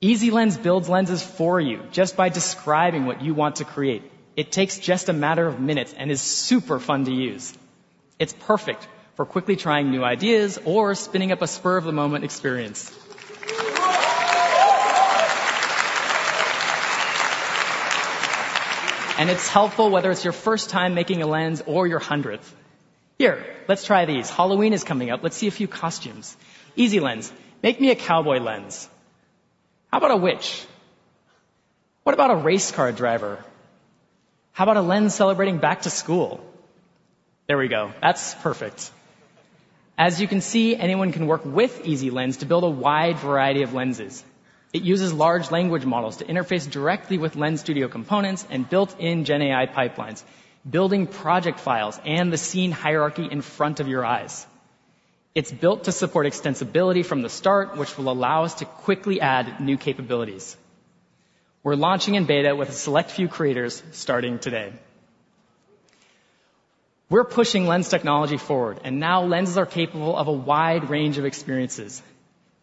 Easy Lens builds lenses for you just by describing what you want to create. It takes just a matter of minutes and is super fun to use. It's perfect for quickly trying new ideas or spinning up a spur-of-the-moment experience. And it's helpful whether it's your first time making a lens or your hundredth. Here, let's try these. Halloween is coming up. Let's see a few costumes. Easy Lens, make me a cowboy lens. How about a witch? What about a race car driver? How about a lens celebrating back to school? There we go. That's perfect. As you can see, anyone can work with Easy Lens to build a wide variety of lenses. It uses large language models to interface directly with Lens Studio components and built-in Gen AI pipelines, building project files and the scene hierarchy in front of your eyes. It's built to support extensibility from the start, which will allow us to quickly add new capabilities. We're launching in beta with a select few creators starting today. We're pushing lens technology forward, and now lenses are capable of a wide range of experiences.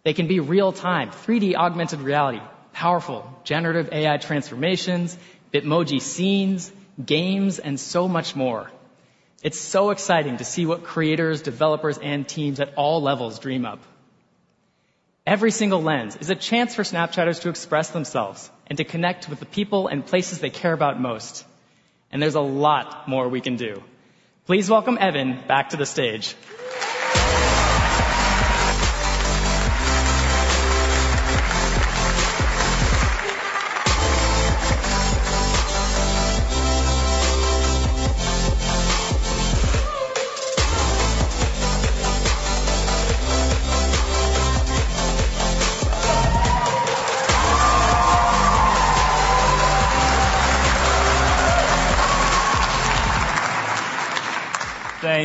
They can be real-time, three-D augmented reality, powerful, generative AI transformations, Bitmoji scenes, games, and so much more. It's so exciting to see what creators, developers, and teams at all levels dream up. Every single lens is a chance for Snapchatters to express themselves and to connect with the people and places they care about most, and there's a lot more we can do. Please welcome Evan back to the stage.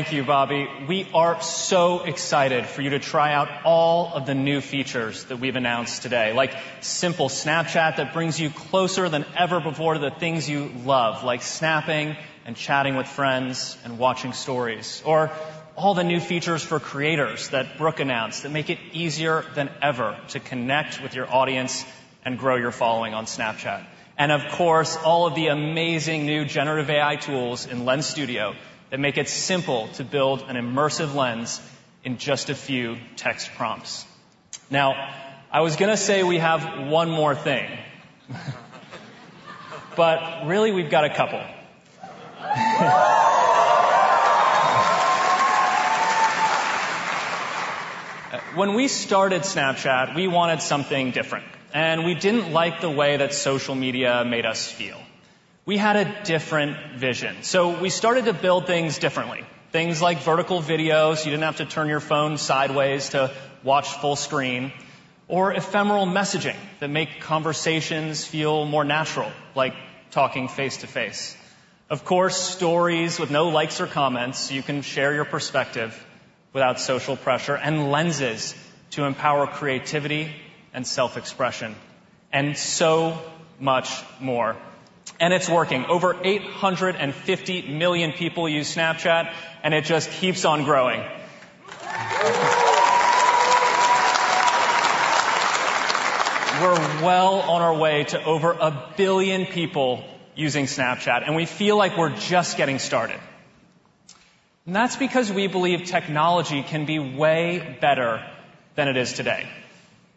Thank you, Bobby. We are so excited for you to try out all of the new features that we've announced today, like Simple Snapchat that brings you closer than ever before to the things you love, like snapping and chatting with friends and watching stories, or all the new features for creators that Brooke announced that make it easier than ever to connect with your audience and grow your following on Snapchat, and of course, all of the amazing new generative AI tools in Lens Studio that make it simple to build an immersive lens in just a few text prompts. Now, I was going to say we have one more thing, but really, we've got a couple. When we started Snapchat, we wanted something different, and we didn't like the way that social media made us feel. We had a different vision, so we started to build things differently. Things like vertical videos, you didn't have to turn your phone sideways to watch full screen, or ephemeral messaging that make conversations feel more natural, like talking face-to-face. Of course, Stories with no likes or comments, you can share your perspective without social pressure, and lenses to empower creativity and self-expression, and so much more. And it's working. Over 850 million people use Snapchat, and it just keeps on growing. We're well on our way to over a billion people using Snapchat, and we feel like we're just getting started... And that's because we believe technology can be way better than it is today.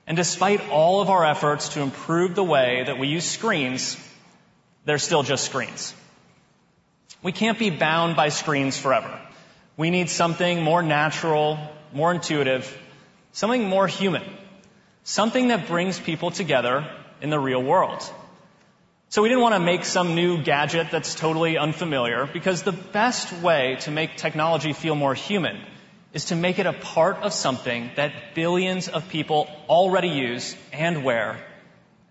And despite all of our efforts to improve the way that we use screens, they're still just screens. We can't be bound by screens forever. We need something more natural, more intuitive, something more human, something that brings people together in the real world. So we didn't wanna make some new gadget that's totally unfamiliar, because the best way to make technology feel more human is to make it a part of something that billions of people already use and wear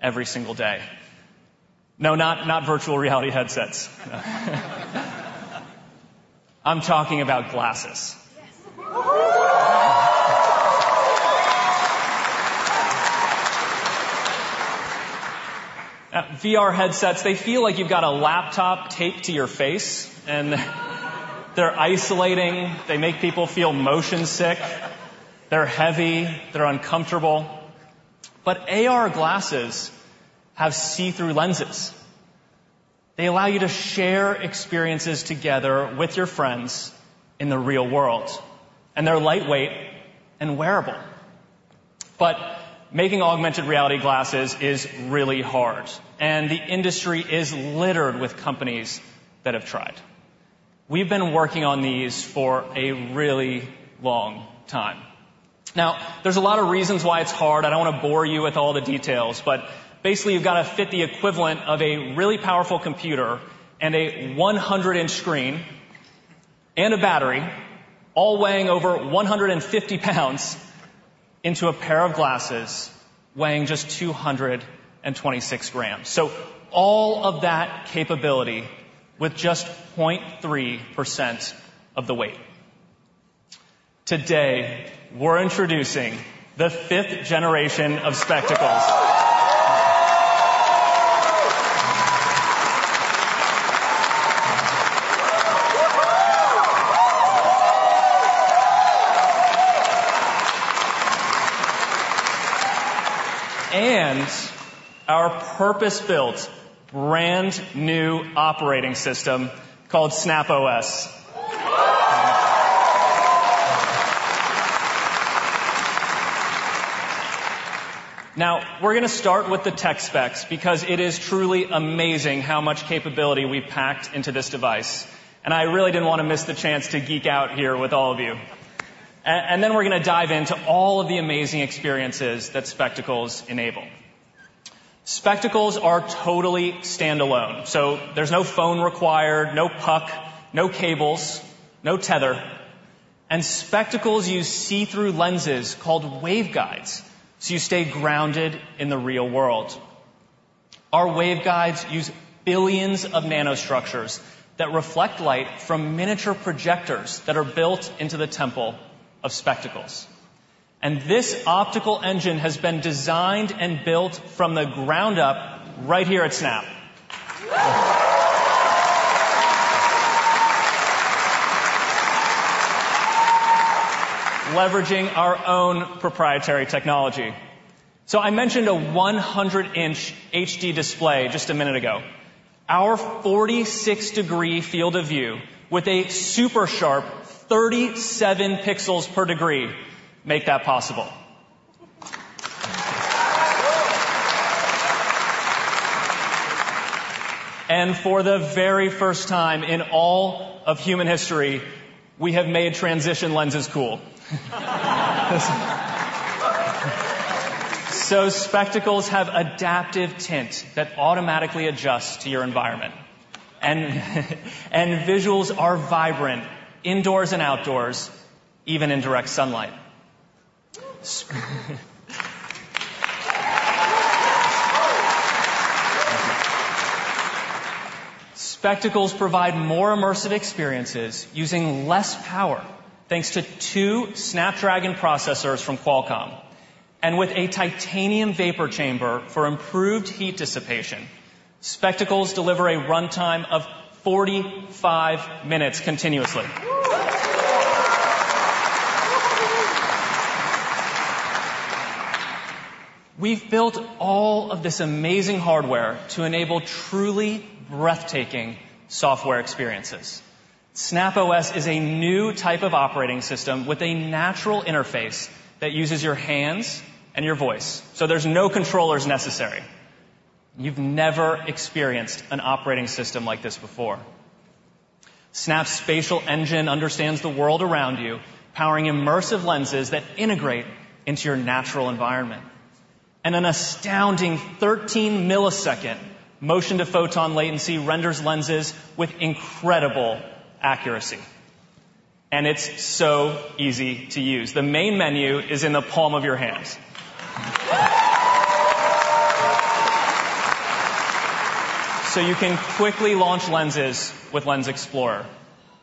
every single day. No, not, not virtual reality headsets. I'm talking about glasses. Now, VR headsets, they feel like you've got a laptop taped to your face, and they're isolating, they make people feel motion sick, they're heavy, they're uncomfortable. But AR glasses have see-through lenses. They allow you to share experiences together with your friends in the real world, and they're lightweight and wearable. But making augmented reality glasses is really hard, and the industry is littered with companies that have tried. We've been working on these for a really long time. Now, there's a lot of reasons why it's hard. I don't wanna bore you with all the details, but basically, you've gotta fit the equivalent of a really powerful computer, and a 100-inch screen, and a battery, all weighing over 150 pounds, into a pair of glasses weighing just 226 grams, so all of that capability with just 0.3% of the weight. Today, we're introducing the 5th generation of Spectacles, and our purpose-built, brand new operating system called Snap OS. Now, we're gonna start with the tech specs because it is truly amazing how much capability we've packed into this device, and I really didn't wanna miss the chance to geek out here with all of you, and then we're gonna dive into all of the amazing experiences that Spectacles enable. Spectacles are totally standalone, so there's no phone required, no puck, no cables, no tether. And Spectacles use see-through lenses called waveguides, so you stay grounded in the real world. Our waveguides use billions of nanostructures that reflect light from miniature projectors that are built into the temple of Spectacles. And this optical engine has been designed and built from the ground up right here at Snap, leveraging our own proprietary technology. So I mentioned a 100-inch HD display just a minute ago. Our 46-degree field of view, with a super sharp 37 pixels per degree, make that possible. And for the very first time in all of human history, we have made transition lenses cool. So Spectacles have adaptive tint that automatically adjusts to your environment. And visuals are vibrant, indoors and outdoors, even in direct sunlight. Spectacles provide more immersive experiences using less power, thanks to two Snapdragon processors from Qualcomm. With a titanium vapor chamber for improved heat dissipation, Spectacles deliver a runtime of forty-five minutes continuously. We've built all of this amazing hardware to enable truly breathtaking software experiences. Snap OS is a new type of operating system with a natural interface that uses your hands and your voice, so there's no controllers necessary. You've never experienced an operating system like this before. Snap Spatial Engine understands the world around you, powering immersive lenses that integrate into your natural environment. An astounding thirteen-millisecond motion-to-photon latency renders lenses with incredible accuracy, and it's so easy to use. The main menu is in the palm of your hands. You can quickly launch lenses with Lens Explorer.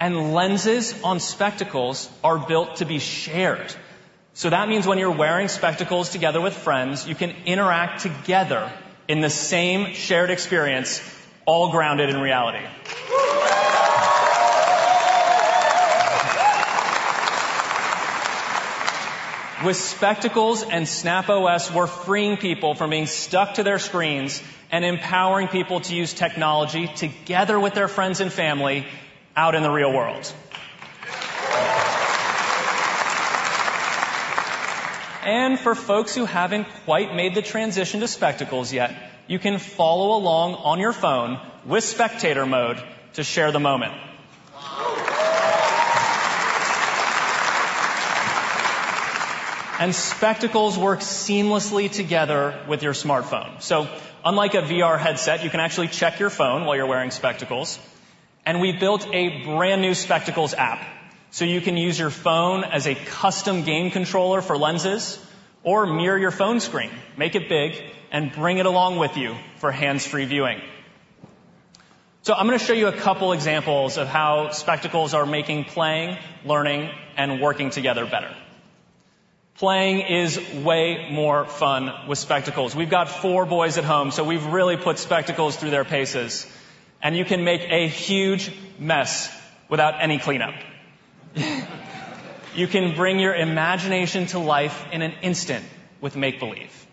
Lenses on Spectacles are built to be shared. So that means when you're wearing Spectacles together with friends, you can interact together in the same shared experience, all grounded in reality.... With Spectacles and Snap OS, we're freeing people from being stuck to their screens and empowering people to use technology together with their friends and family out in the real world. And for folks who haven't quite made the transition to Spectacles yet, you can follow along on your phone with Spectator Mode to share the moment. And Spectacles work seamlessly together with your smartphone. So unlike a VR headset, you can actually check your phone while you're wearing Spectacles. And we built a brand-new Spectacles app, so you can use your phone as a custom game controller for lenses or mirror your phone screen, make it big, and bring it along with you for hands-free viewing. So I'm gonna show you a couple examples of how Spectacles are making playing, learning, and working together better. Playing is way more fun with Spectacles. We've got four boys at home, so we've really put Spectacles through their paces, and you can make a huge mess without any cleanup. You can bring your imagination to life in an instant with Make Believe.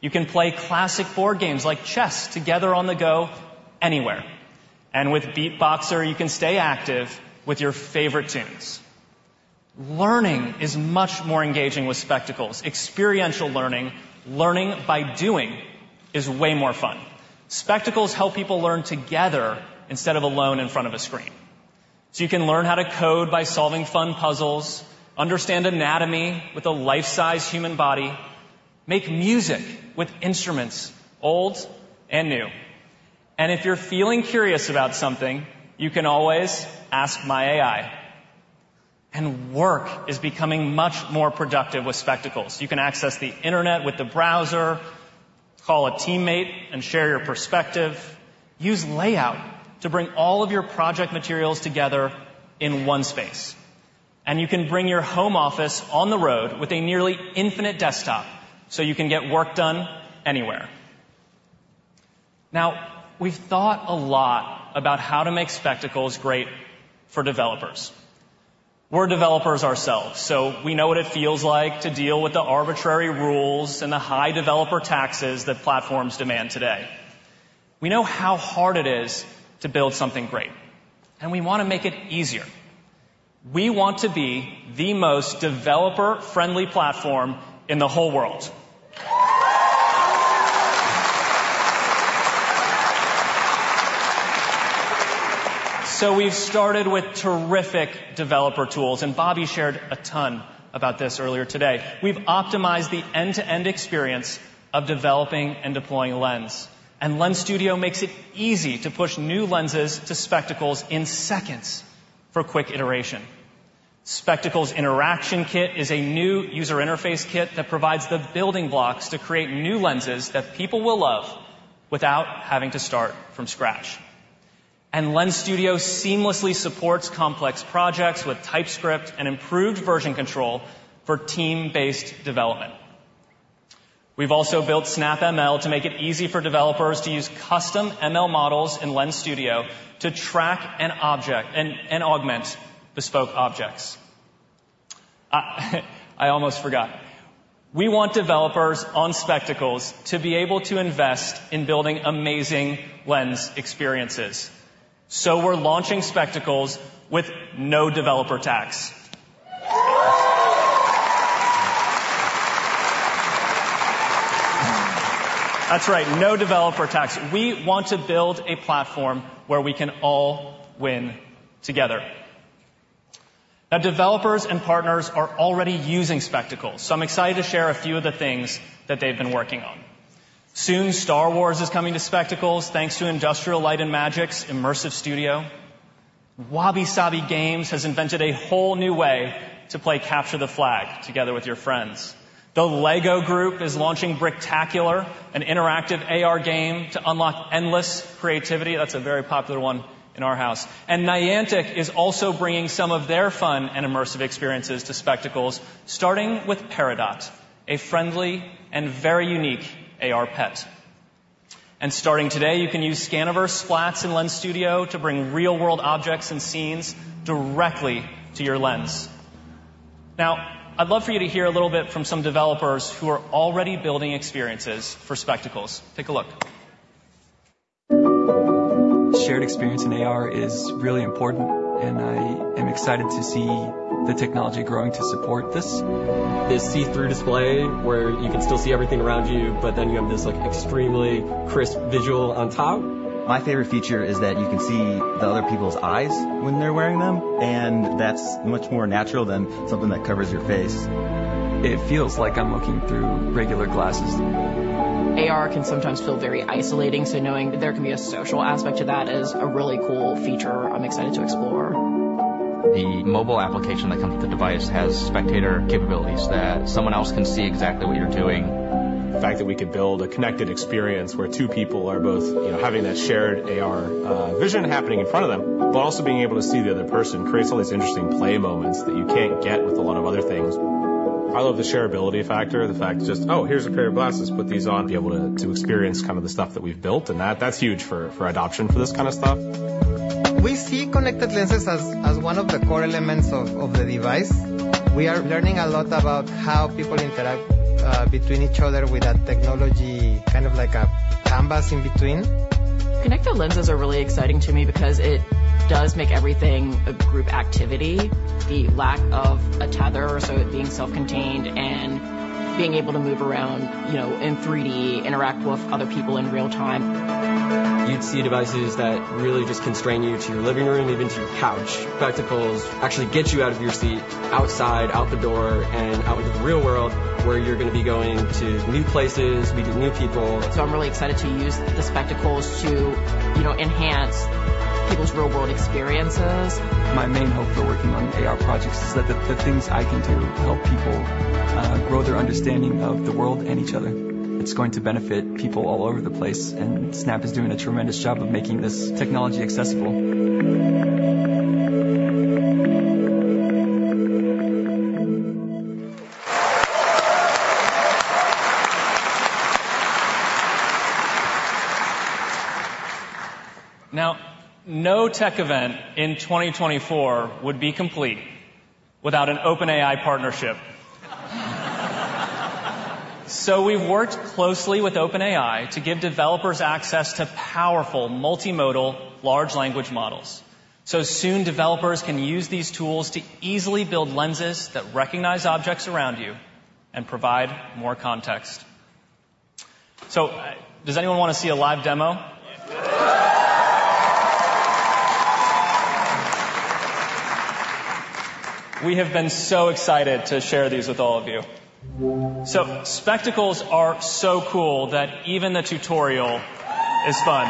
You can play classic board games like chess together on the go anywhere, and with Beatboxer, you can stay active with your favorite tunes. Learning is much more engaging with Spectacles. Experiential learning, learning by doing is way more fun. Spectacles help people learn together instead of alone in front of a screen. So you can learn how to code by solving fun puzzles, understand anatomy with a life-size human body, make music with instruments, old and new. And if you're feeling curious about something, you can always ask my AI. And work is becoming much more productive with Spectacles. You can access the internet with the browser, call a teammate and share your perspective, use Layout to bring all of your project materials together in one space. And you can bring your home office on the road with a nearly infinite desktop, so you can get work done anywhere. Now, we've thought a lot about how to make Spectacles great for developers. We're developers ourselves, so we know what it feels like to deal with the arbitrary rules and the high developer taxes that platforms demand today. We know how hard it is to build something great, and we wanna make it easier. We want to be the most developer-friendly platform in the whole world. So we've started with terrific developer tools, and Bobby shared a ton about this earlier today. We've optimized the end-to-end experience of developing and deploying Lens, and Lens Studio makes it easy to push new lenses to Spectacles in seconds for quick iteration. Spectacles Interaction Kit is a new user interface kit that provides the building blocks to create new lenses that people will love without having to start from scratch. And Lens Studio seamlessly supports complex projects with TypeScript and improved version control for team-based development. We've also built Snap ML to make it easy for developers to use custom ML models in Lens Studio to track an object, and augment bespoke objects. I almost forgot. We want developers on Spectacles to be able to invest in building amazing Lens experiences. So we're launching Spectacles with no developer tax. That's right, no developer tax. We want to build a platform where we can all win together. Now, developers and partners are already using Spectacles, so I'm excited to share a few of the things that they've been working on. Soon, Star Wars is coming to Spectacles, thanks to Industrial Light & Magic's Immersive Studio. Wabi Sabi Games has invented a whole new way to play Capture the Flag together with your friends. The LEGO Group is launching Bricktacular, an interactive AR game to unlock endless creativity. That's a very popular one in our house. And Niantic is also bringing some of their fun and immersive experiences to Spectacles, starting with Peridot, a friendly and very unique AR pet. And starting today, you can use Scaniverse Splats in Lens Studio to bring real-world objects and scenes directly to your lens. Now, I'd love for you to hear a little bit from some developers who are already building experiences for Spectacles. Take a look. Shared experience in AR is really important, and I am excited to see the technology growing to support this. The see-through display, where you can still see everything around you, but then you have this, like, extremely crisp visual on top. My favorite feature is that you can see the other people's eyes when they're wearing them, and that's much more natural than something that covers your face. It feels like I'm looking through regular glasses. AR can sometimes feel very isolating, so knowing that there can be a social aspect to that is a really cool feature I'm excited to explore. The mobile application that comes with the device has spectator capabilities that someone else can see exactly what you're doing. The fact that we could build a connected experience where two people are both, you know, having that shared AR vision happening in front of them, but also being able to see the other person, creates all these interesting play moments that you can't get with a lot of other things. I love the shareability factor, the fact that just, "Oh, here's a pair of glasses, put these on," be able to experience kind of the stuff that we've built, and that's huge for adoption for this kind of stuff.... We see connected lenses as one of the core elements of the device. We are learning a lot about how people interact between each other with a technology, kind of like a canvas in between. Connected lenses are really exciting to me because it does make everything a group activity. The lack of a tether, so it being self-contained and being able to move around, you know, in 3D, interact with other people in real time. You'd see devices that really just constrain you to your living room, even to your couch. Spectacles actually get you out of your seat, outside, out the door, and out into the real world, where you're going to be going to new places, meeting new people. So I'm really excited to use the Spectacles to, you know, enhance people's real-world experiences. My main hope for working on AR projects is that the things I can do help people grow their understanding of the world and each other. It's going to benefit people all over the place, and Snap is doing a tremendous job of making this technology accessible. Now, no tech event in twenty twenty-four would be complete without an OpenAI partnership. So we've worked closely with OpenAI to give developers access to powerful multimodal large language models. So soon, developers can use these tools to easily build lenses that recognize objects around you and provide more context. So does anyone want to see a live demo? We have been so excited to share these with all of you. So Spectacles are so cool that even the tutorial is fun.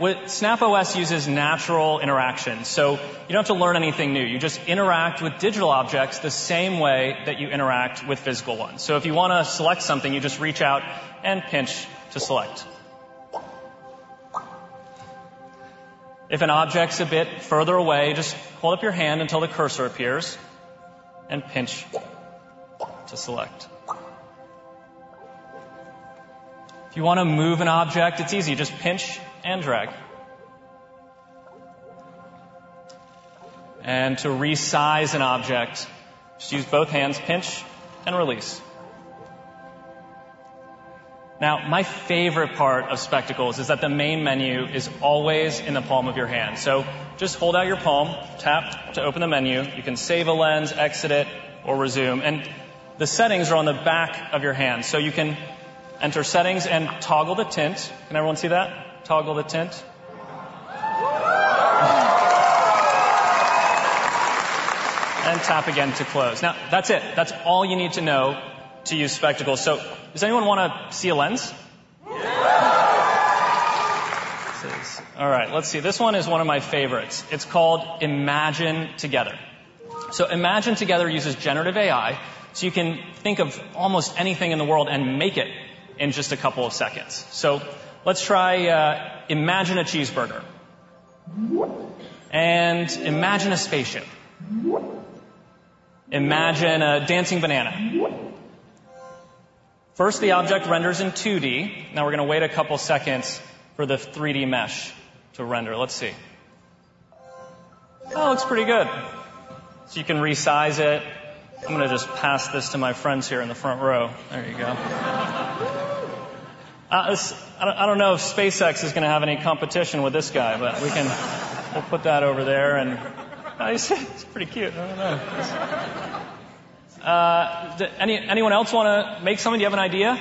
With Snap OS uses natural interaction, so you don't have to learn anything new. You just interact with digital objects the same way that you interact with physical ones. So if you wanna select something, you just reach out and pinch to select. If an object's a bit further away, just hold up your hand until the cursor appears, and pinch to select. If you wanna move an object, it's easy, just pinch and drag. And to resize an object, just use both hands, pinch and release. Now, my favorite part of Spectacles is that the main menu is always in the palm of your hand. So just hold out your palm, tap to open the menu. You can save a lens, exit it, or resume, and the settings are on the back of your hand, so you can enter settings and toggle the tint. Can everyone see that? Toggle the tint. And tap again to close. Now, that's it. That's all you need to know to use Spectacles. So does anyone wanna see a lens? All right, let's see. This one is one of my favorites. It's called Imagine Together. Imagine Together uses generative AI, so you can think of almost anything in the world and make it in just a couple of seconds. Let's try, imagine a cheeseburger. Imagine a spaceship. Imagine a dancing banana. First, the object renders in 2D. Now we're gonna wait a couple seconds for the 3D mesh to render. Let's see. Oh, it looks pretty good. You can resize it. I'm gonna just pass this to my friends here in the front row. There you go. This, I don't know if SpaceX is gonna have any competition with this guy, but we can. We'll put that over there, and it's pretty cute. I don't know. Anyone else wanna make something? Do you have an idea?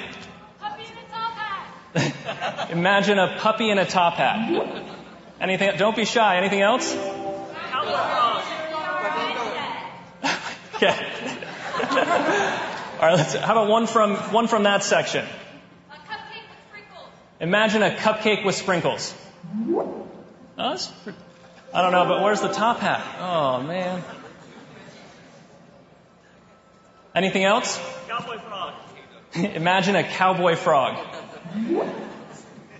Puppy in a top hat! Imagine a puppy in a top hat. Anything? Don't be shy. Anything else? Okay. All right, how about one from that section? A cupcake with sprinkles. Imagine a cupcake with sprinkles. Oh, that's pretty. I don't know, but where's the top hat? Oh, man. Anything else? Cowboy frog. Imagine a cowboy frog. Oh,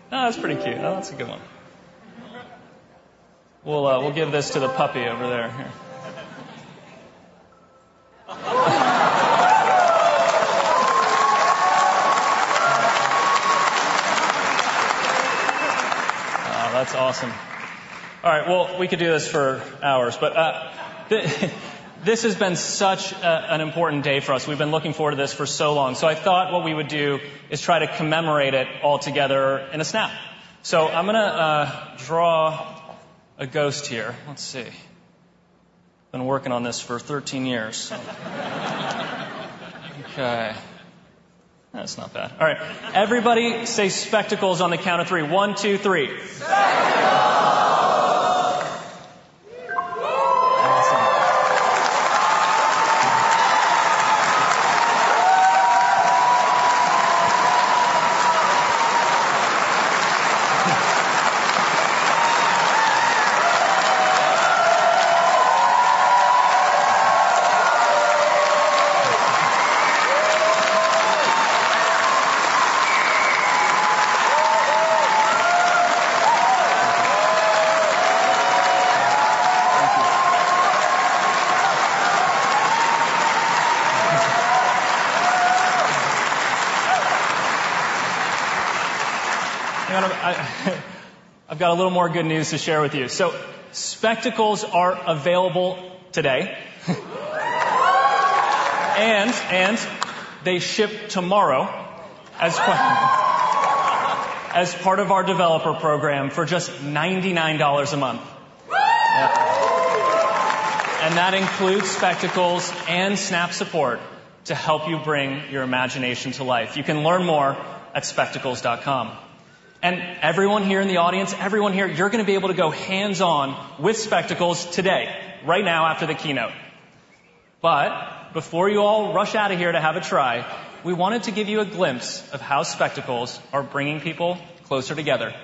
that's pretty cute. Oh, that's a good one. We'll give this to the puppy over there. Here. Oh, that's awesome. All right, well, we could do this for hours, but this has been such an important day for us. We've been looking forward to this for so long. So I thought what we would do is try to commemorate it all together in a Snap. So I'm gonna draw a ghost here. Let's see. Been working on this for 13 years, so... Okay. That's not bad. All right. Everybody, say, "Spectacles," on the count of three. One, two, three. Spectacles! Awesome. I've got a little more good news to share with you. Spectacles are available today. They ship tomorrow as part of our developer program for just $99 a month. Yeah. That includes Spectacles and Snap support to help you bring your imagination to life. You can learn more at spectacles.com. Everyone here in the audience, you're gonna be able to go hands-on with Spectacles today, right now, after the keynote before you all rush out of here to have a try. We wanted to give you a glimpse of how Spectacles are bringing people closer together.